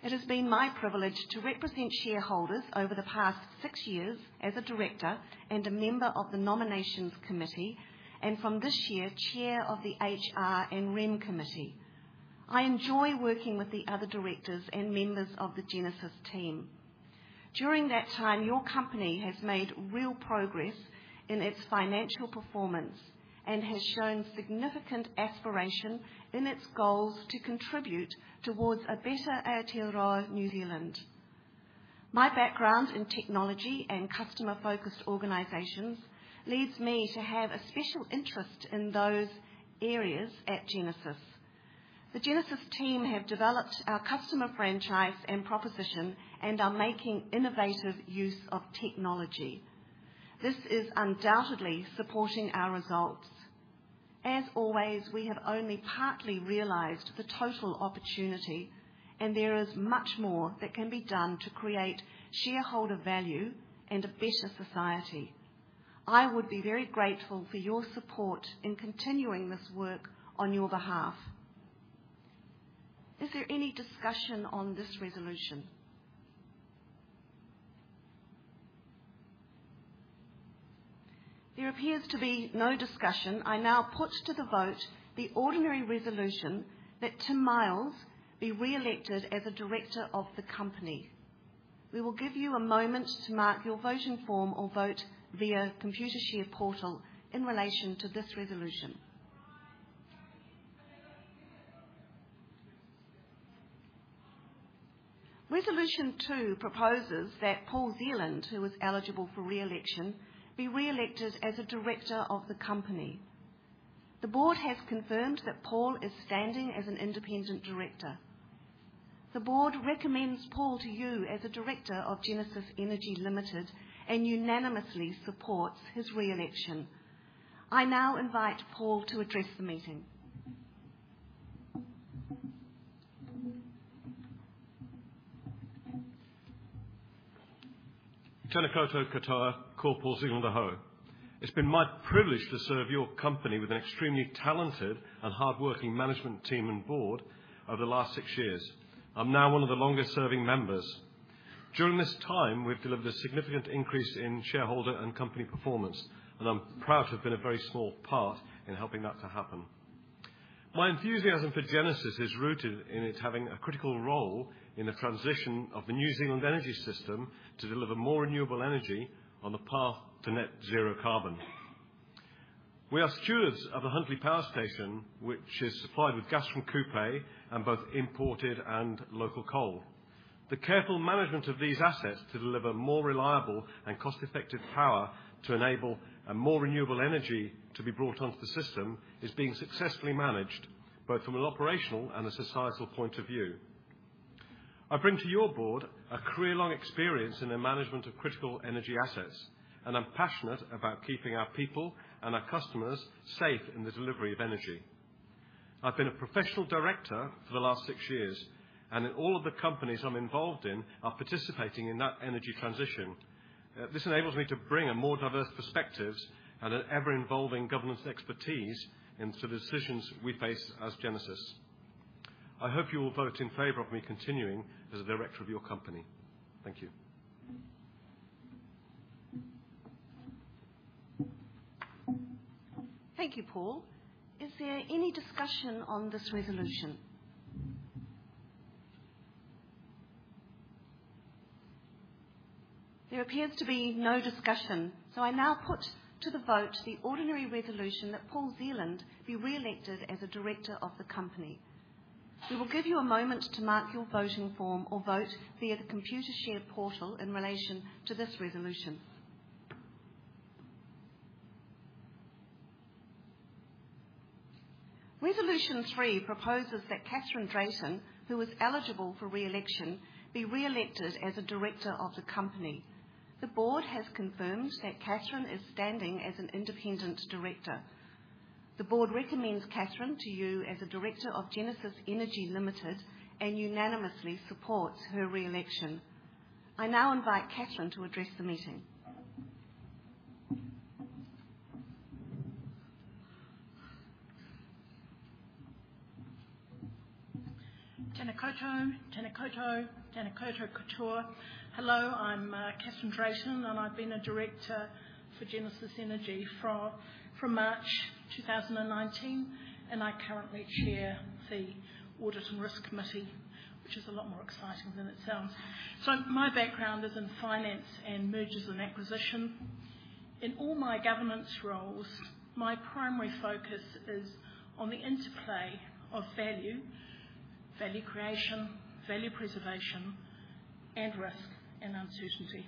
It has been my privilege to represent shareholders over the past six years as a director and a member of the Nominations Committee, and from this year, Chair of the HR and Rem Committee. I enjoy working with the other directors and members of the Genesis team. During that time, your company has made real progress in its financial performance and has shown significant aspiration in its goals to contribute towards a better Aotearoa New Zealand. My background in technology and customer-focused organizations leads me to have a special interest in those areas at Genesis. The Genesis team have developed our customer franchise and proposition and are making innovative use of technology. This is undoubtedly supporting our results. As always, we have only partly realized the total opportunity, and there is much more that can be done to create shareholder value and a better society. I would be very grateful for your support in continuing this work on your behalf. Is there any discussion on this resolution? There appears to be no discussion. I now put to the vote the ordinary resolution that Tim Miles be re-elected as a director of the company. We will give you a moment to mark your voting form or vote via Computershare portal in relation to this resolution. Resolution 2 proposes that Paul Zealand, who is eligible for re-election, be re-elected as a director of the company. The Board has confirmed that Paul is standing as an independent director. The Board recommends Paul to you as a director of Genesis Energy Limited and unanimously supports his re-election. I now invite Paul to address the meeting. Tena koutou katoa. Ko Paul Zealand ahau. It's been my privilege to serve your company with an extremely talented and hardworking management team and board over the last six years. I'm now one of the longest-serving members. During this time, we've delivered a significant increase in shareholder and company performance, and I'm proud to have been a very small part in helping that to happen. My enthusiasm for Genesis is rooted in it having a critical role in the transition of the New Zealand energy system to deliver more renewable energy on the path to net zero carbon. We are stewards of the Huntly Power Station, which is supplied with gas from Kupe and both imported and local coal. The careful management of these assets to deliver more reliable and cost-effective power to enable a more renewable energy to be brought onto the system is being successfully managed, both from an operational and a societal point of view. I bring to your board a career-long experience in the management of critical energy assets, and I'm passionate about keeping our people and our customers safe in the delivery of energy. I've been a professional director for the last six years, and all of the companies I'm involved in are participating in that energy transition. This enables me to bring a more diverse perspective and an ever-involving governance expertise into the decisions we face as Genesis. I hope you will vote in favor of me continuing as a director of your company. Thank you. Thank you, Paul. Is there any discussion on this resolution? There appears to be no discussion, so I now put to the vote the ordinary resolution that Paul Zealand be re-elected as a director of the company. We will give you a moment to mark your voting form or vote via the Computershare portal in relation to this resolution. Resolution three proposes that Catherine Drayton, who is eligible for re-election, be re-elected as a director of the company. The Board has confirmed that Catherine is standing as an independent director. The Board recommends Catherine to you as a director of Genesis Energy Limited and unanimously supports her re-election. I now invite Catherine to address the meeting. Tēnā koutou, tēnā koutou, tēnā koutou katoa. Hello, I'm Catherine Drayton, and I've been a director for Genesis Energy from March 2019, and I currently chair the Audit and Risk Committee, which is a lot more exciting than it sounds. My background is in finance and mergers and acquisition. In all my governance roles, my primary focus is on the interplay of value creation, value preservation, and risk and uncertainty.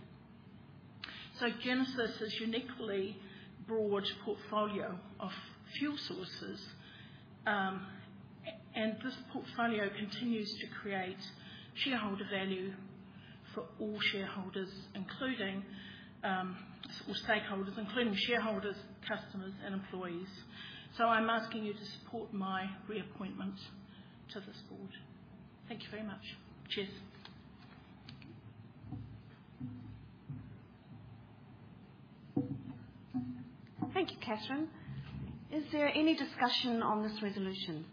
Genesis' uniquely broad portfolio of fuel sources, and this portfolio continues to create shareholder value for all shareholders, including or stakeholders, including shareholders, customers, and employees. I'm asking you to support my reappointment to this board. Thank you very much. Cheers. Thank you, Catherine. Is there any discussion on this resolution?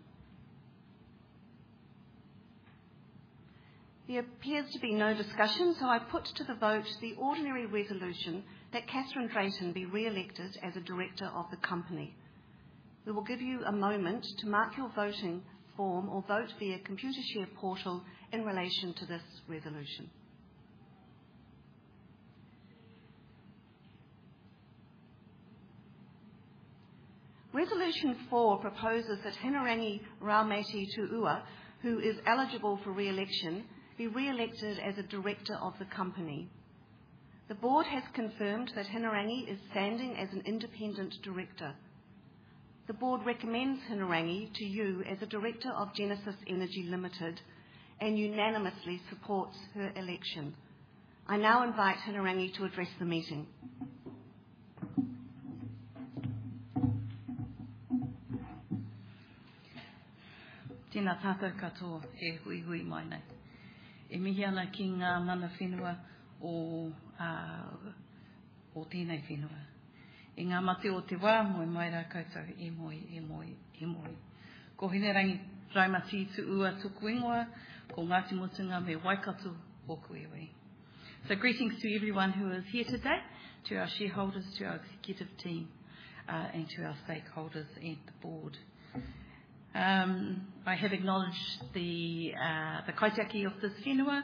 There appears to be no discussion, so I put to the vote the ordinary resolution that Catherine Drayton be re-elected as a director of the company. We will give you a moment to mark your voting form or vote via Computershare portal in relation to this resolution. Resolution four proposes that Hinerangi Raumati-Tu'ua, who is eligible for re-election, be re-elected as a director of the company. The board has confirmed that Hinerangi is standing as an independent director. The board recommends Hinerangi to you as a director of Genesis Energy Limited and unanimously supports her election. I now invite Hinerangi to address the meeting. Greetings to everyone who is here today, to our shareholders, to our executive team, and to our stakeholders and the board. I have acknowledged the kaitiaki of this whenua,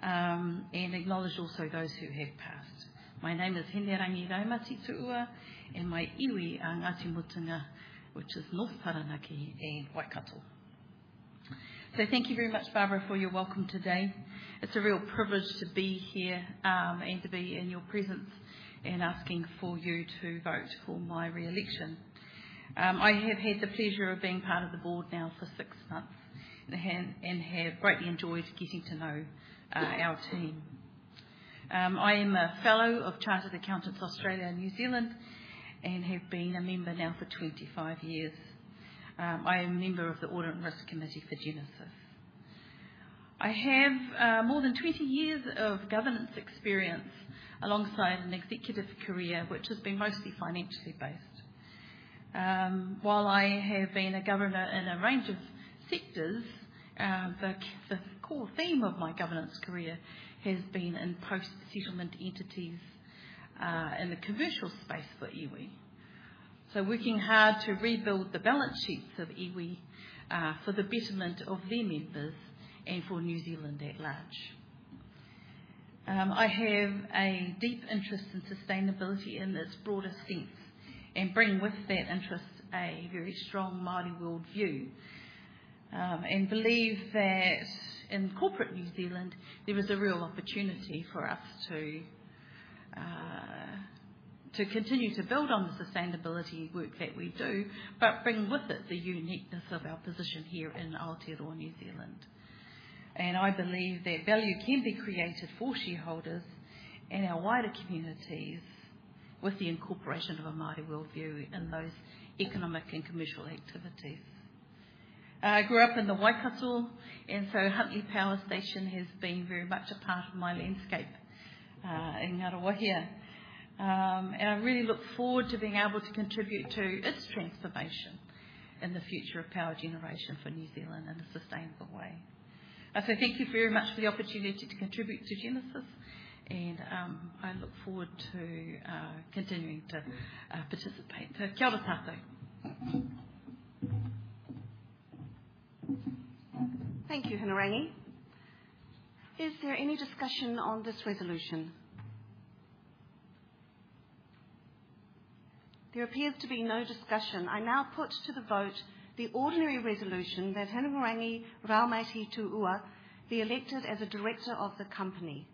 and acknowledge also those who have passed. My name is Hinerangi Raumati-Tu'ua, and my iwi are Ngāti Mutunga, which is North Taranaki and Waikato. Thank you very much, Barbara, for your welcome today. It's a real privilege to be here, and to be in your presence and asking for you to vote for my re-election. I have had the pleasure of being part of the board now for six months and have greatly enjoyed getting to know our team. I am a Fellow of Chartered Accountants Australia and New Zealand and have been a member now for 25 years. I am member of the Audit and Risk Committee for Genesis. I have more than 20 years of governance experience alongside an executive career which has been mostly financially based. While I have been a governor in a range of sectors, the core theme of my governance career has been in post-settlement entities in the commercial space for iwi. Working hard to rebuild the balance sheets of iwi for the betterment of their members and for New Zealand at large. I have a deep interest in sustainability in its broadest sense and bring with that interest a very strong Māori worldview, and believe that in corporate New Zealand, there is a real opportunity for us to continue to build on the sustainability work that we do, but bring with it the uniqueness of our position here in Aotearoa, New Zealand. I believe that value can be created for shareholders and our wider communities with the incorporation of a Māori worldview in those economic and commercial activities. I grew up in the Waikato, and so Huntly Power Station has been very much a part of my landscape, in Ngāruawāhia. I really look forward to being able to contribute to its transformation and the future of power generation for New Zealand in a sustainable way. Thank you very much for the opportunity to contribute to Genesis and I look forward to continuing to participate. Kia ora koutou. Thank you, Hinerangi. Is there any discussion on this resolution? There appears to be no discussion. I now put to the vote the ordinary resolution that Hinerangi Raumati-Tu'ua be elected as a director of the company.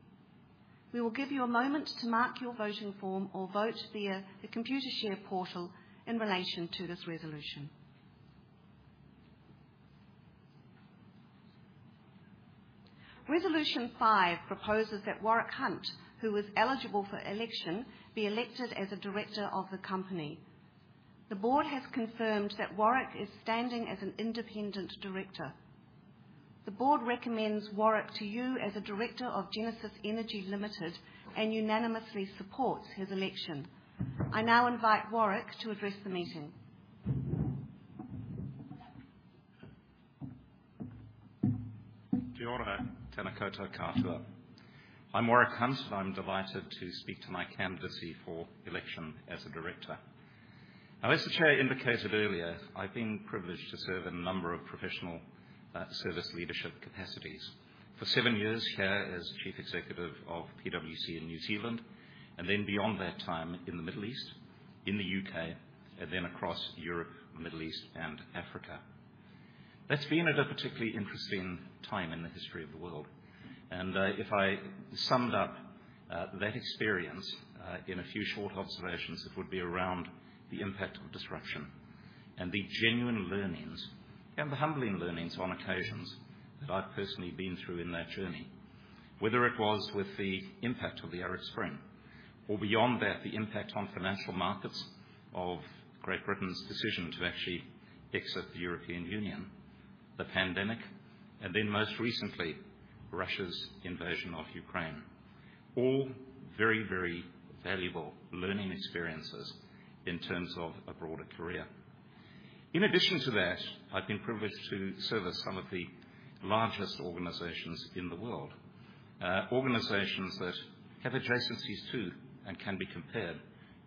We will give you a moment to mark your voting form or vote via the Computershare portal in relation to this resolution. Resolution five proposes that Warwick Hunt, who is eligible for election, be elected as a director of the company. The board has confirmed that Warwick is standing as an independent director. The board recommends Warwick to you as a director of Genesis Energy Limited and unanimously supports his election. I now invite Warwick to address the meeting. I'm Warwick Hunt. I'm delighted to speak to my candidacy for election as a director. Now, as the chair indicated earlier, I've been privileged to serve in a number of professional service leadership capacities. For seven years here as Chief Executive of PwC in New Zealand, and then beyond that time in the Middle East, in the U.K., and then across Europe, Middle East, and Africa. That's been at a particularly interesting time in the history of the world. If I summed up that experience in a few short observations, it would be around the impact of disruption and the genuine learnings, and the humbling learnings on occasions that I've personally been through in that journey. Whether it was with the impact of the Arab Spring or beyond that, the impact on financial markets of Great Britain's decision to actually exit the European Union, the pandemic, and then most recently, Russia's invasion of Ukraine. All very, very valuable learning experiences in terms of a broader career. In addition to that, I've been privileged to service some of the largest organizations in the world. Organizations that have adjacencies too, and can be compared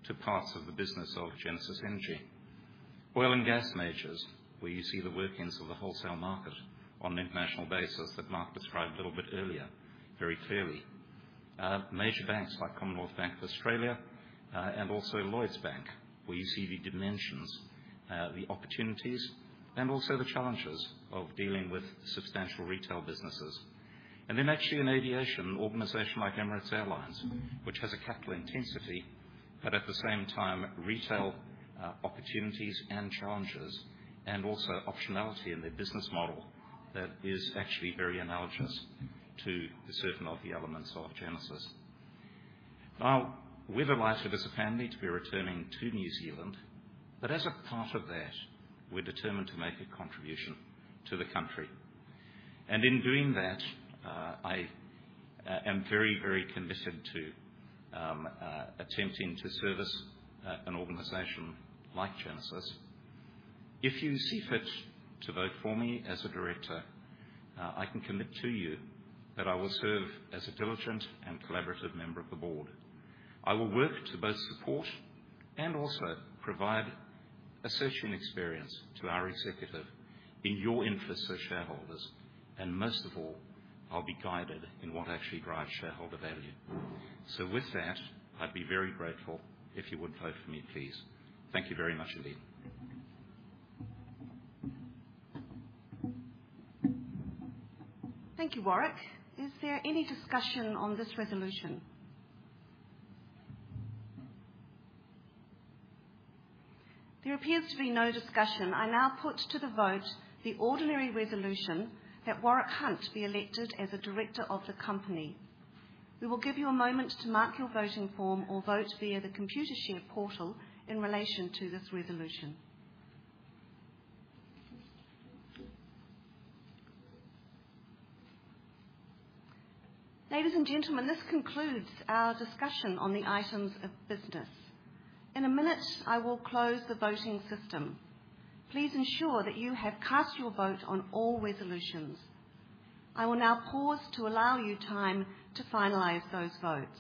to parts of the business of Genesis Energy. Oil and gas majors, where you see the workings of the wholesale market on an international basis that Marc described a little bit earlier very clearly. Major banks like Commonwealth Bank of Australia, and also Lloyds Bank, where you see the dimensions, the opportunities and also the challenges of dealing with substantial retail businesses. Actually in aviation, an organization like Emirates, which has a capital intensity, but at the same time, retail, opportunities and challenges, and also optionality in their business model that is actually very analogous to certain of the elements of Genesis. Now, we've elected as a family to be returning to New Zealand. As a part of that, we're determined to make a contribution to the country. In doing that, I am very, very committed to attempting to service an organization like Genesis. If you see fit to vote for me as a director, I can commit to you that I will serve as a diligent and collaborative member of the board. I will work to both support and also provide a searching experience to our executive in your interest as shareholders. Most of all, I'll be guided in what actually drives shareholder value. With that, I'd be very grateful if you would vote for me, please. Thank you very much indeed. Thank you, Warwick. Is there any discussion on this resolution? There appears to be no discussion. I now put to the vote the ordinary resolution that Warwick Hunt be elected as a director of the company. We will give you a moment to mark your voting form or vote via the Computershare portal in relation to this resolution. Ladies and gentlemen, this concludes our discussion on the items of business. In a minute, I will close the voting system. Please ensure that you have cast your vote on all resolutions. I will now pause to allow you time to finalize those votes.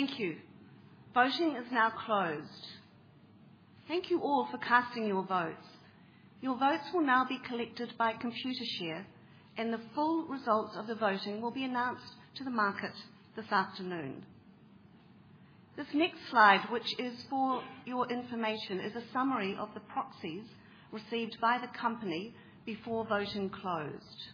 Thank you. Voting is now closed. Thank you all for casting your votes. Your votes will now be collected by Computershare, and the full results of the voting will be announced to the market this afternoon. This next slide, which is for your information, is a summary of the proxies received by the company before voting closed.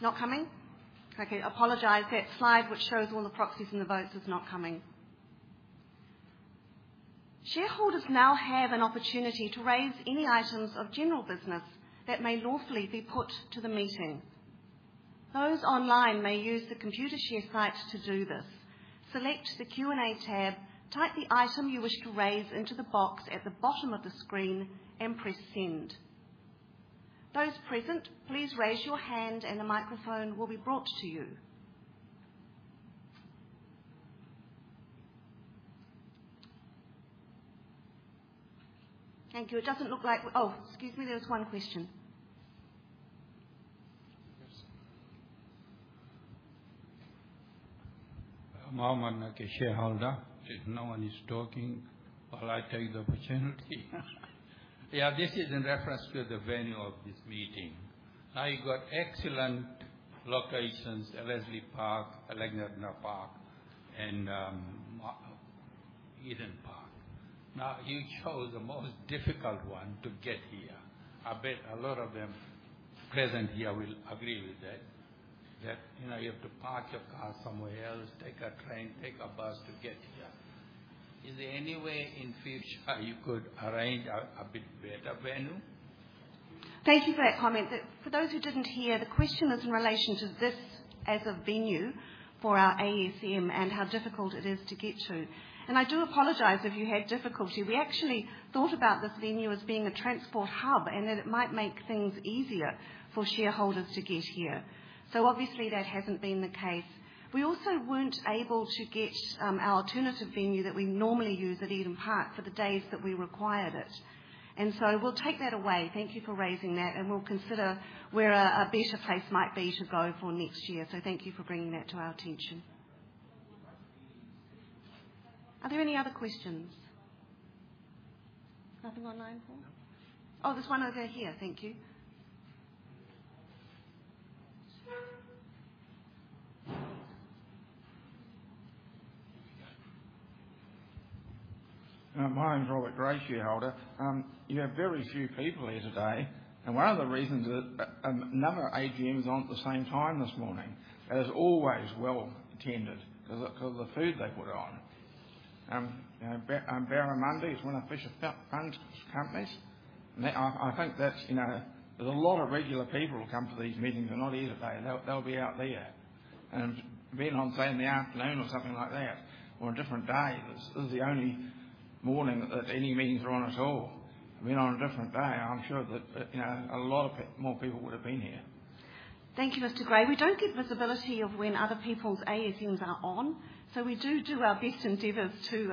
Is that slide coming up, Paul? Sorry. Not coming? Okay. Apologize, that slide which shows all the proxies and the votes is not coming. Shareholders now have an opportunity to raise any items of general business that may lawfully be put to the meeting. Those online may use the Computershare site to do this. Select the Q&A tab, type the item you wish to raise into the box at the bottom of the screen, and press Send. Those present, please raise your hand and the microphone will be brought to you. Thank you. It doesn't look like. Oh, excuse me, there was one question. I'm Armand, a shareholder. If no one is talking, well, I take the opportunity. Yeah, this is in reference to the venue of this meeting. Now, you've got excellent locations, Ellerslie Events Centre, Alexandra Park, and Eden Park. Now, you chose the most difficult one to get here. I bet a lot of them present here will agree with that, you know, you have to park your car somewhere else, take a train, take a bus to get here. Is there any way in future you could arrange a bit better venue? Thank you for that comment. For those who didn't hear, the question is in relation to this as a venue for our ASM and how difficult it is to get to. I do apologize if you had difficulty. We actually thought about this venue as being a transport hub, and that it might make things easier for shareholders to get here. Obviously, that hasn't been the case. We also weren't able to get our alternative venue that we normally use at Eden Park for the days that we required it. We'll take that away. Thank you for raising that, and we'll consider where a better place might be to go for next year. Thank you for bringing that to our attention. Are there any other questions? Nothing online, Paul? No. Oh, there's one over here. Thank you. My name is Robert Gray, Shareholder. You have very few people here today, and one of the reasons is a number of AGMs are on at the same time this morning. It is always well attended because of the food they put on. You know, Barramundi is one of Fisher Funds' companies. I think that's, you know. There's a lot of regular people who come to these meetings are not here today. They'll be out there. Being on, say, in the afternoon or something like that or a different day. This is the only morning that any meetings are on at all. I mean, on a different day, I'm sure that, you know, more people would have been here. Thank you, Mr. Gray. We don't get visibility of when other people's ASMs are on, so we do our best endeavors to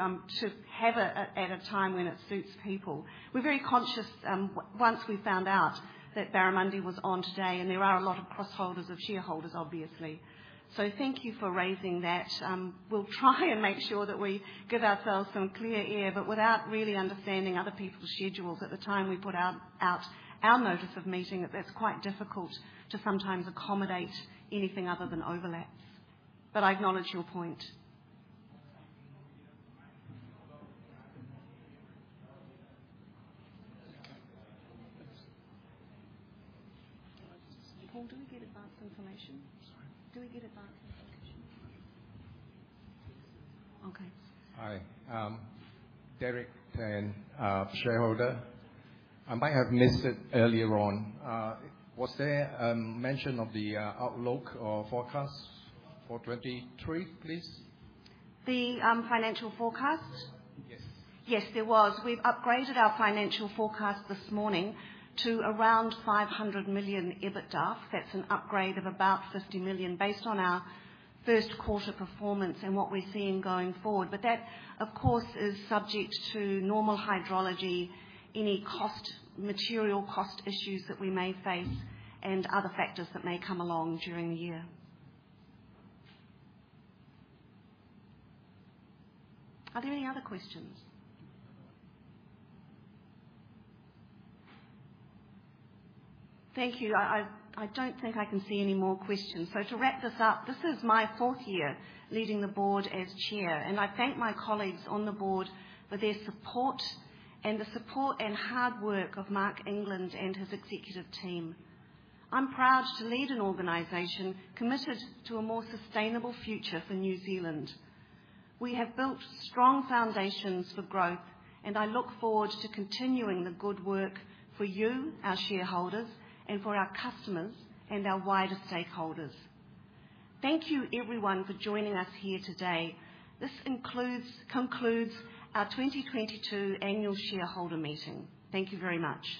have it at a time when it suits people. We're very conscious once we found out that Barramundi was on today, and there are a lot of crossholders of shareholders, obviously. Thank you for raising that. We'll try and make sure that we give ourselves some clear air, but without really understanding other people's schedules at the time we put out our notice of meeting, that's quite difficult to sometimes accommodate anything other than overlaps. I acknowledge your point. Paul, do we get advanced information? Sorry. Do we get advanced information? No. Okay. Hi. Derek Tan, Shareholder. I might have missed it earlier on. Was there mention of the outlook or forecast for 2023, please? The financial forecast? Yes. Yes, there was. We've upgraded our financial forecast this morning to around 500 million EBITDA. That's an upgrade of about 50 million based on our first quarter performance and what we're seeing going forward. But that, of course, is subject to normal hydrology, any cost, material cost issues that we may face and other factors that may come along during the year. Are there any other questions? Thank you. I don't think I can see any more questions. To wrap this up, this is my fourth year leading the board as chair. I thank my colleagues on the board for their support and the support and hard work of Marc England and his executive team. I'm proud to lead an organization committed to a more sustainable future for New Zealand. We have built strong foundations for growth, and I look forward to continuing the good work for you, our shareholders, and for our customers and our wider stakeholders. Thank you, everyone, for joining us here today. This concludes our 2022 annual shareholder meeting. Thank you very much.